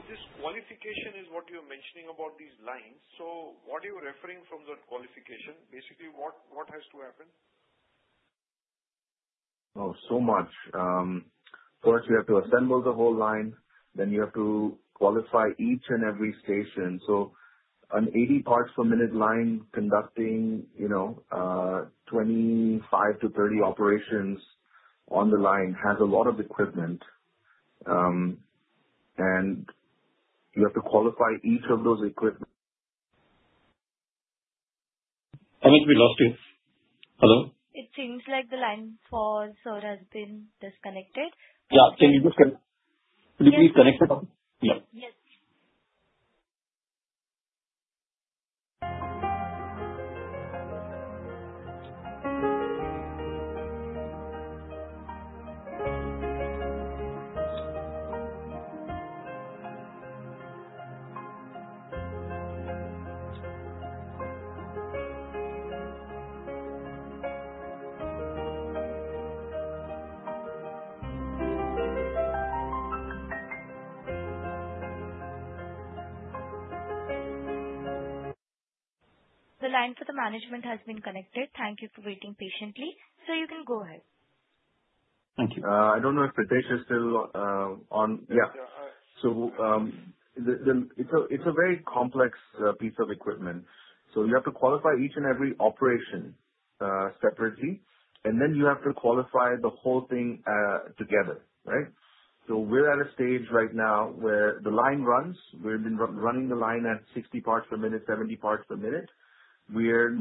This qualification is what you're mentioning about these lines. What are you referring from that qualification? Basically, what has to happen? Oh, so much. First, we have to assemble the whole line, then you have to qualify each and every station. An 80 parts per minute line conducting 25 to 30 operations on the line has a lot of equipment, and you have to qualify each of those equipment. Anish, we lost you. Hello? It seems like the line for sir has been disconnected. Yeah. Could you please connect the call? Yes. The line for the management has been connected. Thank you for waiting patiently. Sir, you can go ahead. Thank you. I don't know if Pritesh is still on. Yeah. Yeah. Hi. It's a very complex piece of equipment. You have to qualify each and every operation separately, and then you have to qualify the whole thing together, right? We're at a stage right now where the line runs. We've been running the line at 60 parts per minute, 70 parts per minute. We're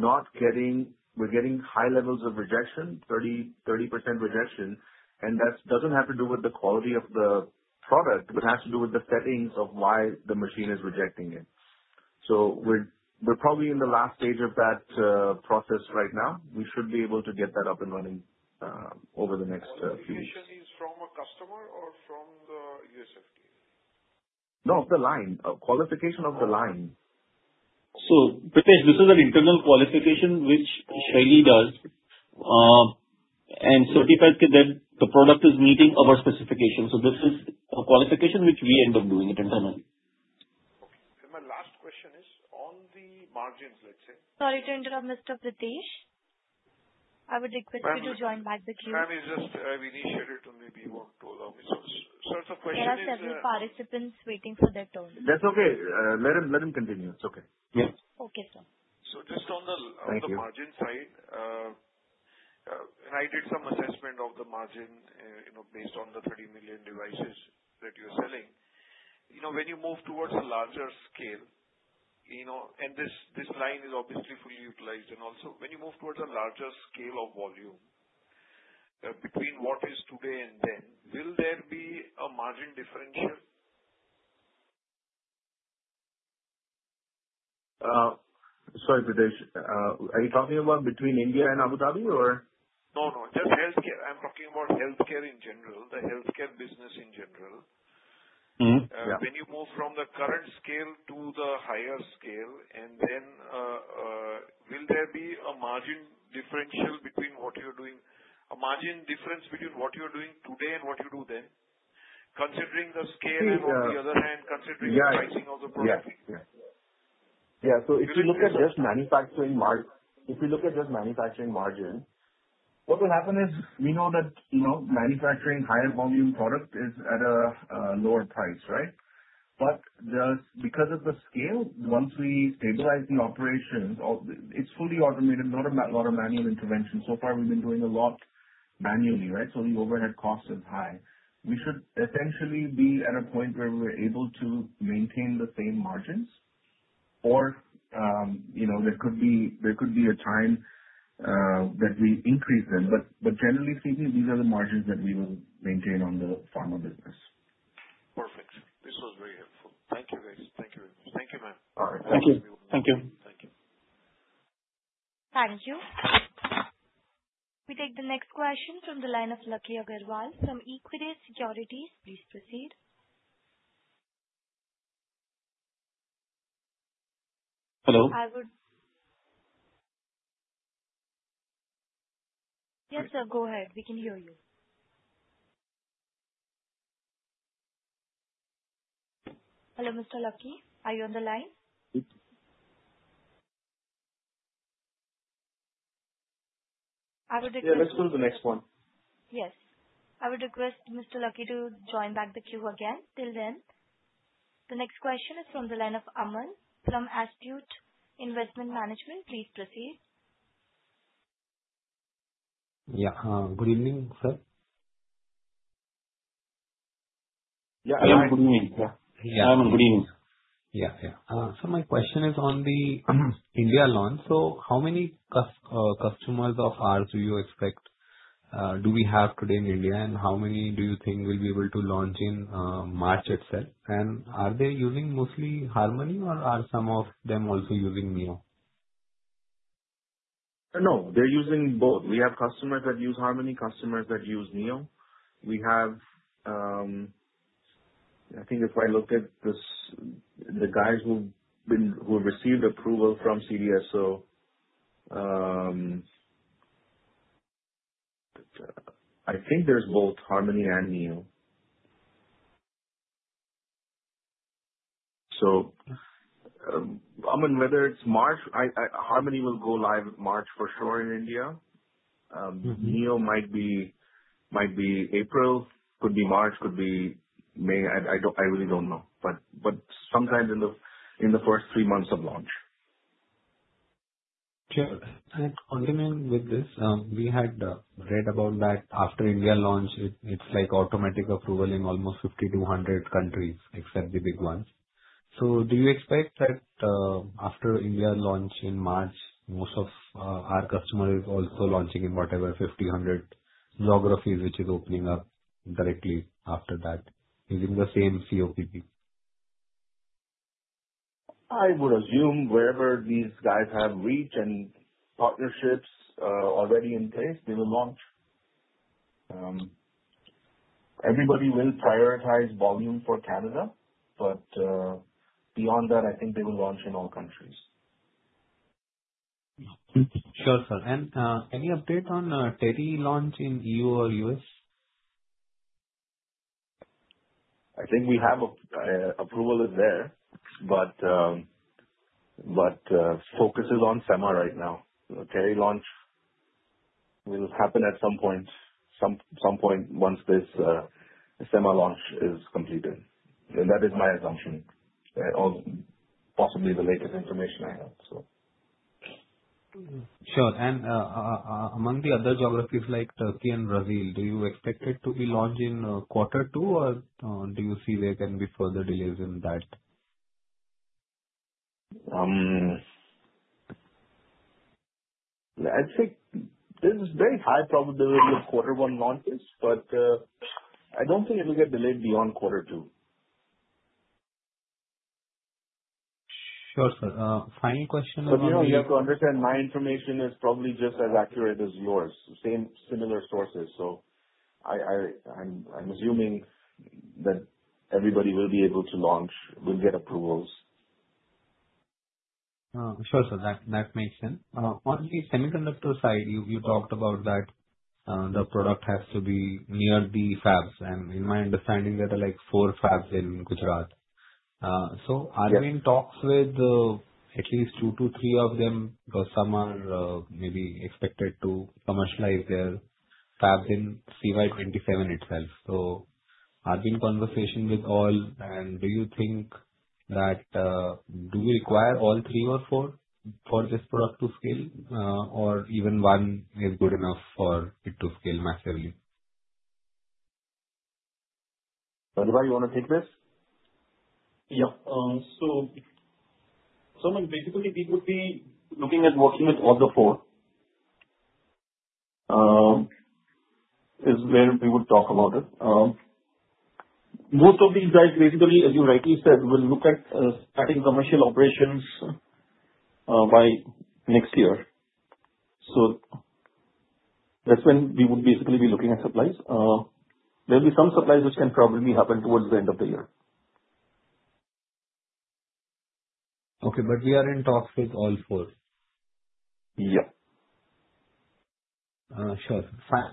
getting high levels of rejection, 30% rejection, and that doesn't have to do with the quality of the product. It has to do with the settings of why the machine is rejecting it. We're probably in the last stage of that process right now. We should be able to get that up and running over the next few weeks. Qualification is from a customer or from the USFDA? No, of the line. Qualification of the line. Pritesh, this is an internal qualification which Shaily does. Yes. Certifies that the product is meeting our specification. This is a qualification which we end up doing it internally. Okay. My last question is on the margins. Sorry to interrupt, Mr. Pritesh. I would request you to join back the queue. Pammy, just I've initiated to maybe one, two of these. Sir, the question is. There are several participants waiting for their turn. That's okay. Let him continue. It's okay. Yeah. Okay, sir. just on the- Thank you on the margin side, and I did some assessment of the margin based on the 30 million devices that you're selling. When you move towards a larger scale, and this line is obviously fully utilized and also when you move towards a larger scale of volume, between what is today and then, will there be a margin differential? Sorry, Pritesh. Are you talking about between India and Abu Dhabi or? No, just healthcare. I'm talking about healthcare in general, the healthcare business in general. Mm-hmm. Yeah. When you move from the current scale to the higher scale and then, will there be a margin differential between what you're doing today and what you do then? Considering the scale and on the other hand, considering the pricing of the product. Yeah. If you look at just manufacturing margin, what will happen is we know that manufacturing higher volume product is at a lower price, right? Just because of the scale, once we stabilize the operations, it's fully automated, not a lot of manual intervention. So far, we've been doing a lot manually, right? The overhead cost is high. We should essentially be at a point where we're able to maintain the same margins or there could be a time that we increase them. Generally speaking, these are the margins that we will maintain on the pharma business. Perfect. This was very helpful. Thank you, guys. Thank you very much. Thank you, ma'am. All right. Thank you. Thank you. Thank you. We take the next question from the line of Lucky Agarwal from Equitas Securities. Please proceed. Hello. Yes, sir, go ahead. We can hear you. Hello, Mr. Lucky. Are you on the line? Yeah. Let's go to the next one. Yes. I would request Mr. Lucky to join back the queue again. Till then, the next question is from the line of Aman from Astute Investment Management. Please proceed. Yeah. Good evening, sir. Yeah. Good evening. Yeah. Aman, good evening. Yeah. My question is on. India launch. How many customers of ours do we have today in India, and how many do you think we'll be able to launch in March itself? Are they using mostly Harmony or are some of them also using Neo? No. They're using both. We have customers that use Harmony, customers that use Neo. I think if I look at the guys who received approval from CDSCO, I think there's both Harmony and Neo. Aman, whether it's March, Harmony will go live March for sure in India. Neo might be April, could be March, could be May. I really don't know. Sometime in the first three months of launch. Sure. Complimenting with this, we had read about that after India launch, it's like automatic approval in almost 50 to 100 countries except the big ones. Do you expect that after India launch in March, most of our customers also launching in whatever, 50, 100 geographies, which is opening up directly after that using the same CoPP? I would assume wherever these guys have reach and partnerships are already in place, they will launch. Everybody will prioritize volume for Canada, beyond that, I think they will launch in all countries. Sure, sir. Any update on teriparatide launch in EU or US? I think we have approval there, but focus is on sema right now. Teriparatide launch will happen at some point once this sema launch is completed. That is my assumption or possibly the latest information I have. Sure. Among the other geographies like Turkey and Brazil, do you expect it to be launched in quarter two, or do you see there can be further delays in that? I'd say there's very high probability of quarter one launches, but I don't think it'll get delayed beyond quarter two. Sure, sir. Final question about. Aman, you have to understand, my information is probably just as accurate as yours. Similar sources. I'm assuming that everybody will be able to launch, will get approvals. Sure, sir, that makes sense. On the semiconductor side, you talked about that the product has to be near the fabs, and in my understanding, there are four fabs in Gujarat. Yes. Are you in talks with at least two to three of them? Because some are maybe expected to commercialize their fab in CY 2027 itself. Are you in conversation with all, and do you think that do we require all three or four for this product to scale, or even one is good enough for it to scale massively? Sanjay, you want to take this? Yeah. Sumit, basically, we would be looking at working with all the four. Is where we would talk about it. Most of these guys, basically, as you rightly said, will look at starting commercial operations by next year. That's when we would basically be looking at supplies. There'll be some supplies which can probably happen towards the end of the year. Okay, we are in talks with all four. Yeah. Sure.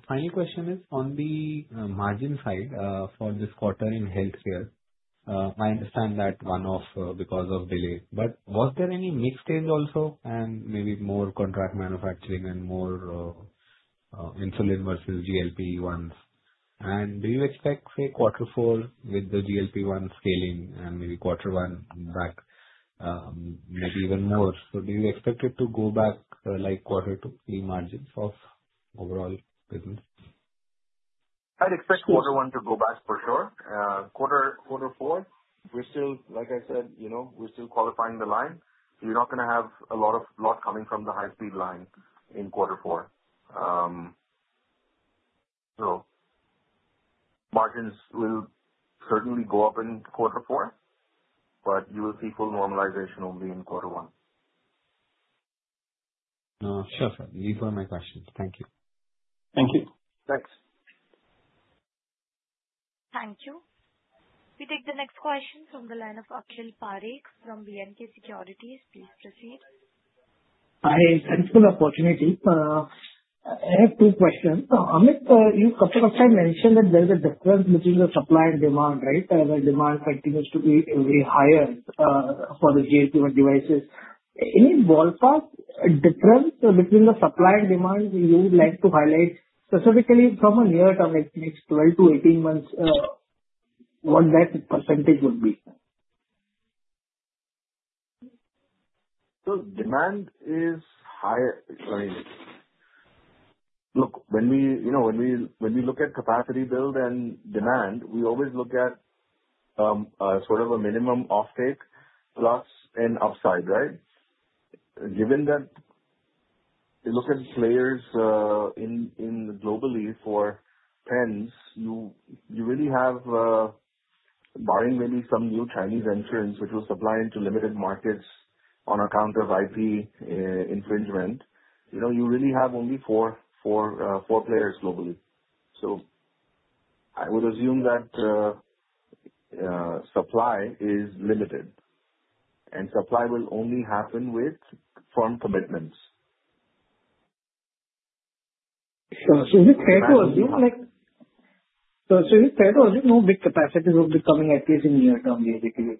Final question is on the margin side for this quarter in healthcare. I understand that one-off because of delays. Was there any mix change also, and maybe more contract manufacturing and more insulin versus GLP-1s? Do you expect, say, quarter four with the GLP-1 scaling and maybe quarter one back, maybe even more? Do you expect it to go back like quarter two in margins of overall business? I'd expect quarter one to go back for sure. Quarter four, like I said, we're still qualifying the line. We're not going to have a lot coming from the high-speed line in quarter four. Margins will certainly go up in quarter four, but you will see full normalization only in quarter one. Sure, sir. These were my questions. Thank you. Thank you. Thanks. Thank you. We take the next question from the line of Akhil Parekh from VNK Securities. Please proceed. Hi, thanks for the opportunity. I have two questions. Amit, you couple of times mentioned that there is a difference between the supply and demand, right? Where demand continues to be very higher for the GLP-1 devices. Any ballpark difference between the supply and demand you would like to highlight, specifically from a near term, like next 12 to 18 months, what that percentage would be? Demand is higher. Look, when we look at capacity build and demand, we always look at sort of a minimum offtake plus an upside, right? Given that you look at players globally for pens, you really have, barring maybe some new Chinese entrants which will supply into limited markets on account of IP infringement, you really have only four players globally. I would assume that supply is limited and supply will only happen with firm commitments. With Teva, is it no big capacities will be coming at least in near term basically?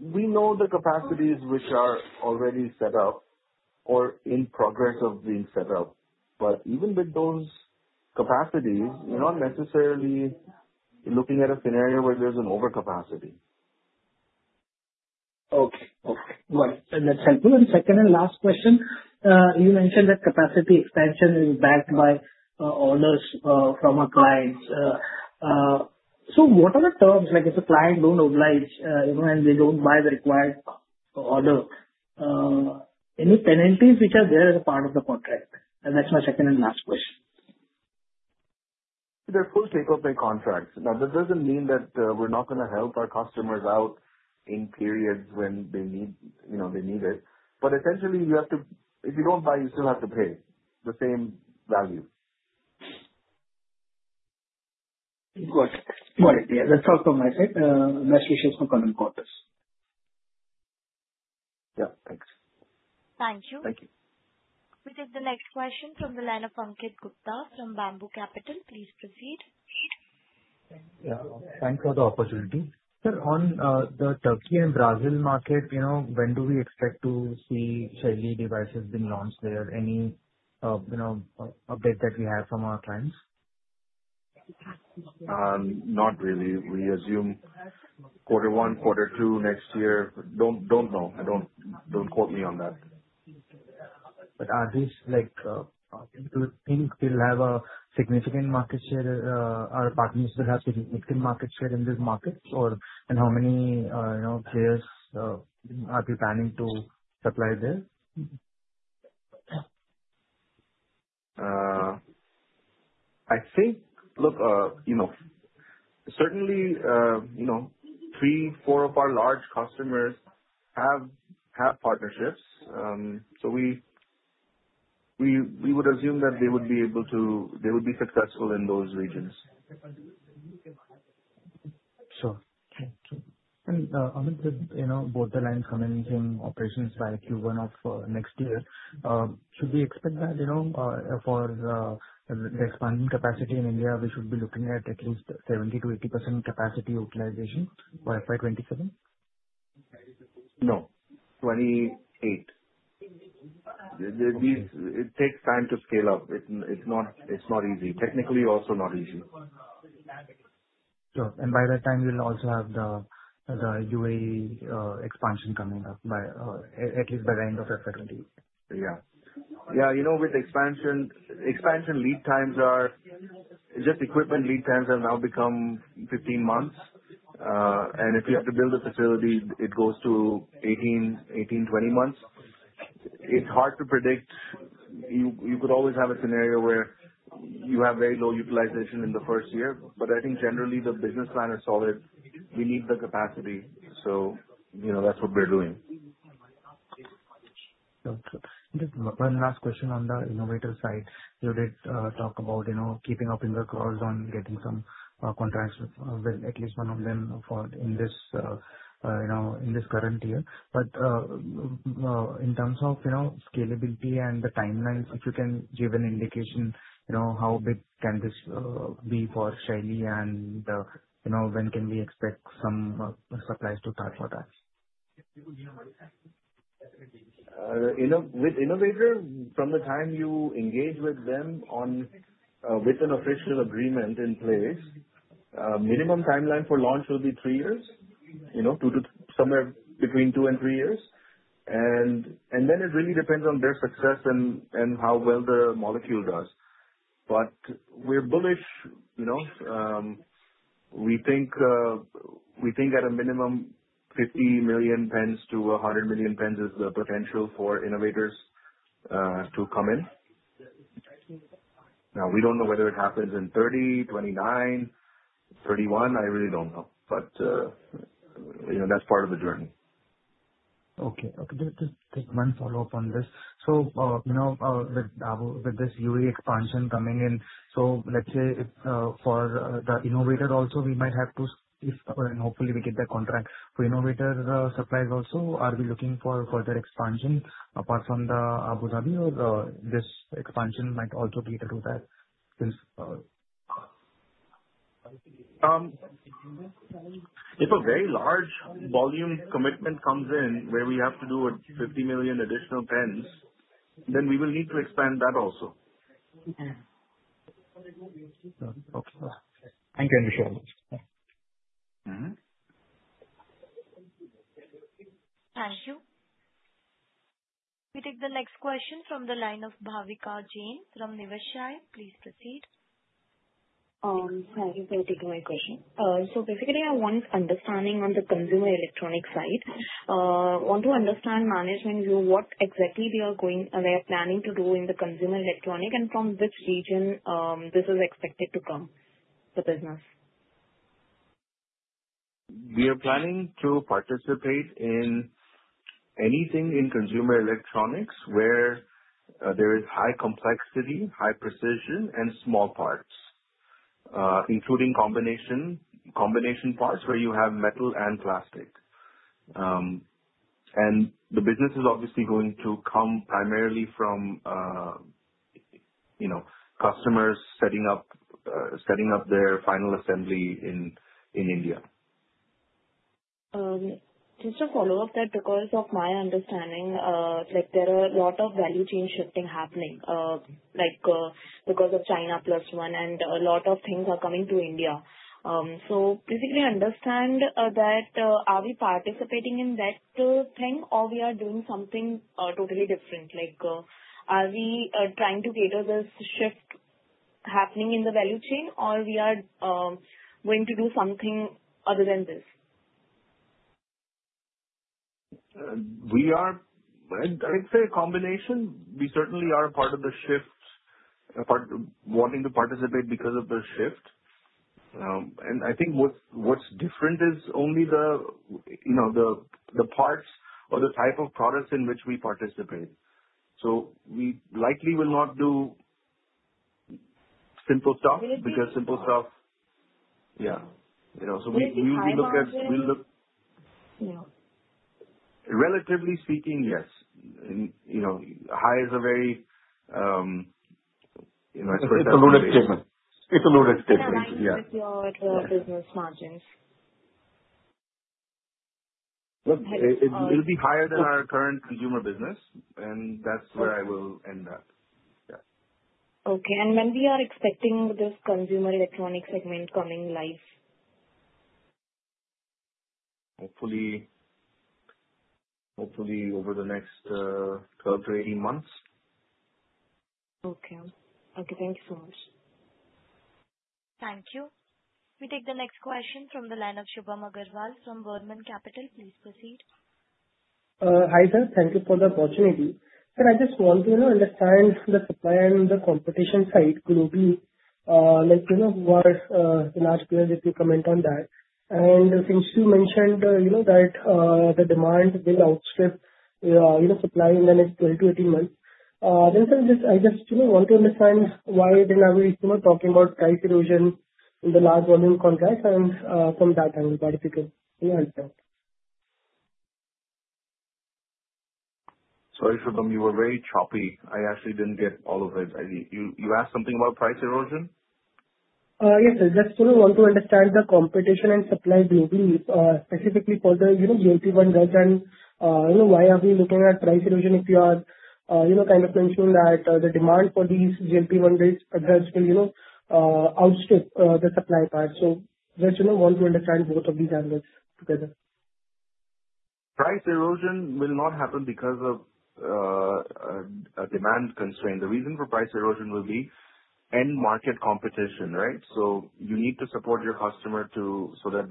We know the capacities which are already set up or in progress of being set up. Even with those capacities, you're not necessarily looking at a scenario where there's an overcapacity. Okay. Got it. That's helpful. Second and last question, you mentioned that capacity expansion is backed by orders from our clients. What are the terms? Like if the client doesn't oblige, and doesn't buy the required order, any penalties which are there as a part of the contract? That's my second and last question. They're full take or pay contracts. That doesn't mean that we're not going to help our customers out in periods when they need it. Essentially, if you don't buy, you still have to pay the same value. Got it. That's all from my side. Nice to speak to you. Have a good quarter. Thanks. Thank you. Thank you. We take the next question from the line of Pankaj Gupta from Bamboo Capital. Please proceed. Yeah, thanks for the opportunity. Sir, on the Turkey and Brazil market, when do we expect to see Shaily devices being launched there? Any update that we have from our clients? Not really. We assume quarter one, quarter two next year. Don't know. Don't quote me on that. At least do you think we'll have a significant market share, our partners will have significant market share in these markets, and how many players are we planning to supply there? I think, look, certainly, three, four of our large customers have partnerships. We would assume that they would be successful in those regions. Sure. Okay. Amit, both the lines commencing operations by Q1 of next year. Should we expect that for the expanding capacity in India, we should be looking at at least 70%-80% capacity utilization by FY 2027? No, 28. Okay. It takes time to scale up. It is not easy. Technically, also not easy. Sure. By that time, we will also have the UAE expansion coming up, at least by the end of FY 2028. Yeah. With expansion lead times, equipment lead times have now become 15 months. If you have to build a facility, it goes to 18, 20 months. It is hard to predict. You could always have a scenario where you have very low utilization in the first year. I think generally the business plan is solid. We need the capacity. That is what we are doing. Just one last question on the innovator side. You did talk about keeping up in the calls on getting some contracts with at least one of them in this current year. In terms of scalability and the timelines, if you can give an indication, how big can this be for Shaily and when can we expect some supplies to start for that? With innovators, from the time you engage with them with an official agreement in place, minimum timeline for launch will be 3 years. Somewhere between 2 and 3 years. Then it really depends on their success and how well the molecule does. We're bullish. We think at a minimum 50 million pens to 100 million pens is the potential for innovators to come in. Now we don't know whether it happens in 30, 29, 31, I really don't know. That's part of the journey. Just one follow-up on this. With this UAE expansion coming in, so let's say if for the innovator also, if and hopefully we get that contract. For innovator supplies also, are we looking for further expansion apart from the Abu Dhabi or this expansion might also be able to that since If a very large volume commitment comes in where we have to do a 50 million additional pens, then we will need to expand that also. Okay. Thank you, Amit Shah. Thank you. We take the next question from the line of Bhavika Jain from Niveshaay. Please proceed. Hi. Thank you for taking my question. Basically, I want understanding on the consumer electronic side. Want to understand management view, what exactly they are planning to do in the consumer electronic and from which region this is expected to come, the business. We are planning to participate in anything in consumer electronics where there is high complexity, high precision, and small parts, including combination parts where you have metal and plastic. The business is obviously going to come primarily from customers setting up their final assembly in India. Just a follow-up that because of my understanding, there are a lot of value chain shifting happening, because of China plus one and a lot of things are coming to India. Basically, I understand that, are we participating in that thing or we are doing something totally different? Are we trying to cater this shift happening in the value chain or we are going to do something other than this? I'd say a combination. We certainly are a part of the shift, wanting to participate because of the shift. I think what's different is only the parts or the type of products in which we participate. We likely will not do simple stuff because simple stuff- Will it be high margin? Yeah. We'll look at- Yeah. Relatively speaking, yes. High is a very. It's a loaded statement. Yeah. How does it feel with the business margins? It'll be higher than our current consumer business. That's where I will end that. Yeah. Okay. When we are expecting this consumer electronic segment coming live? Hopefully over the next 12 to 18 months. Okay. Okay, thank you so much. Thank you. We take the next question from the line of Shubham Agarwal from Vergent Capital. Please proceed. Hi there. Thank you for the opportunity. Sir, I just want to understand the supply and the competition side. Could you like if you comment on that. I think you mentioned that the demand will outstrip supply in the next 12 to 18 months. Sir, I just want to understand why talking about price erosion in the large volume contracts and from that angle, if you could answer. Sorry, Shubham, you were very choppy. I actually didn't get all of it. You asked something about price erosion? Yes, sir. Just want to understand the competition and supply globally, specifically for the GLP-1 drugs, why are we looking at price erosion if you are kind of mentioning that the demand for these GLP-1 drugs will outstrip the supply part. Just want to understand both of these angles together. Price erosion will not happen because of a demand constraint. The reason for price erosion will be end market competition, right? You need to support your customer so that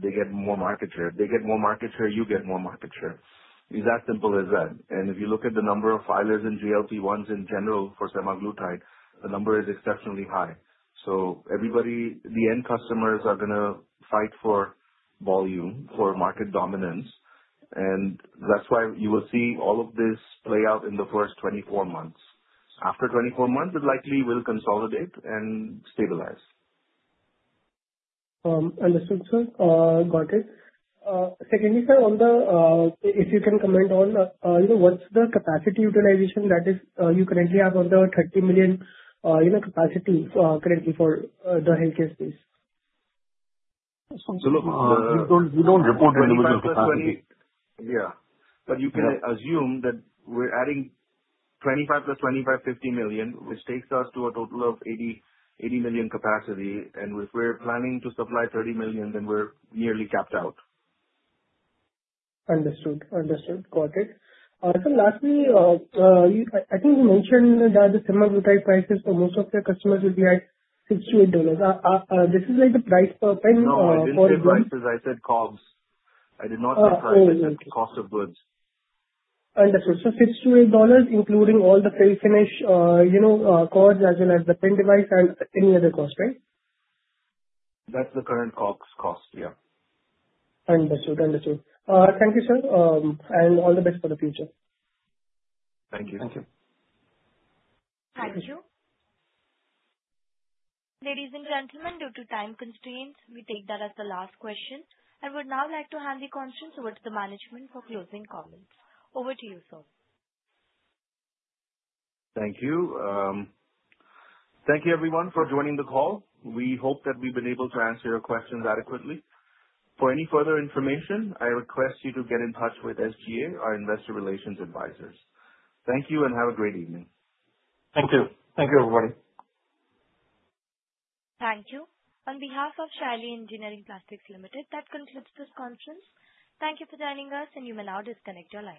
they get more market share. They get more market share, you get more market share. It's as simple as that. If you look at the number of filers in GLP-1s in general for semaglutide, the number is exceptionally high. The end customers are going to fight for volume, for market dominance, and that's why you will see all of this play out in the first 24 months. After 24 months, it likely will consolidate and stabilize. Understood, sir. Got it. Secondly, sir, if you can comment on what's the capacity utilization. That is, you currently have under 30 million capacity currently for the healthcare space. Shubham, we don't report individual capacity. Yeah. You can assume that we're adding 25 plus 25, 50 million, which takes us to a total of 80 million capacity. If we're planning to supply 30 million, we're nearly capped out. Understood. Got it. Sir, lastly, I think you mentioned that the semaglutide prices for most of their customers will be at INR 68. This is like the price per pen? No, I didn't say prices. I said COGS. I did not say prices. Oh, okay. I said cost of goods. Understood. INR 68, including all the pre-finish COGS as well as the pen device and any other cost, right? That's the current COGS cost. Yeah. Understood. Thank you, sir. All the best for the future. Thank you. Thank you. Thank you. Ladies and gentlemen, due to time constraints, we take that as the last question and would now like to hand the conference over to the Management for closing comments. Over to you, sir. Thank you. Thank you everyone for joining the call. We hope that we've been able to answer your questions adequately. For any further information, I request you to get in touch with SGA, our investor relations advisors. Thank you and have a great evening. Thank you. Thank you, everybody. Thank you. On behalf of Shaily Engineering Plastics Limited, that concludes this conference. Thank you for joining us, and you may now disconnect your lines.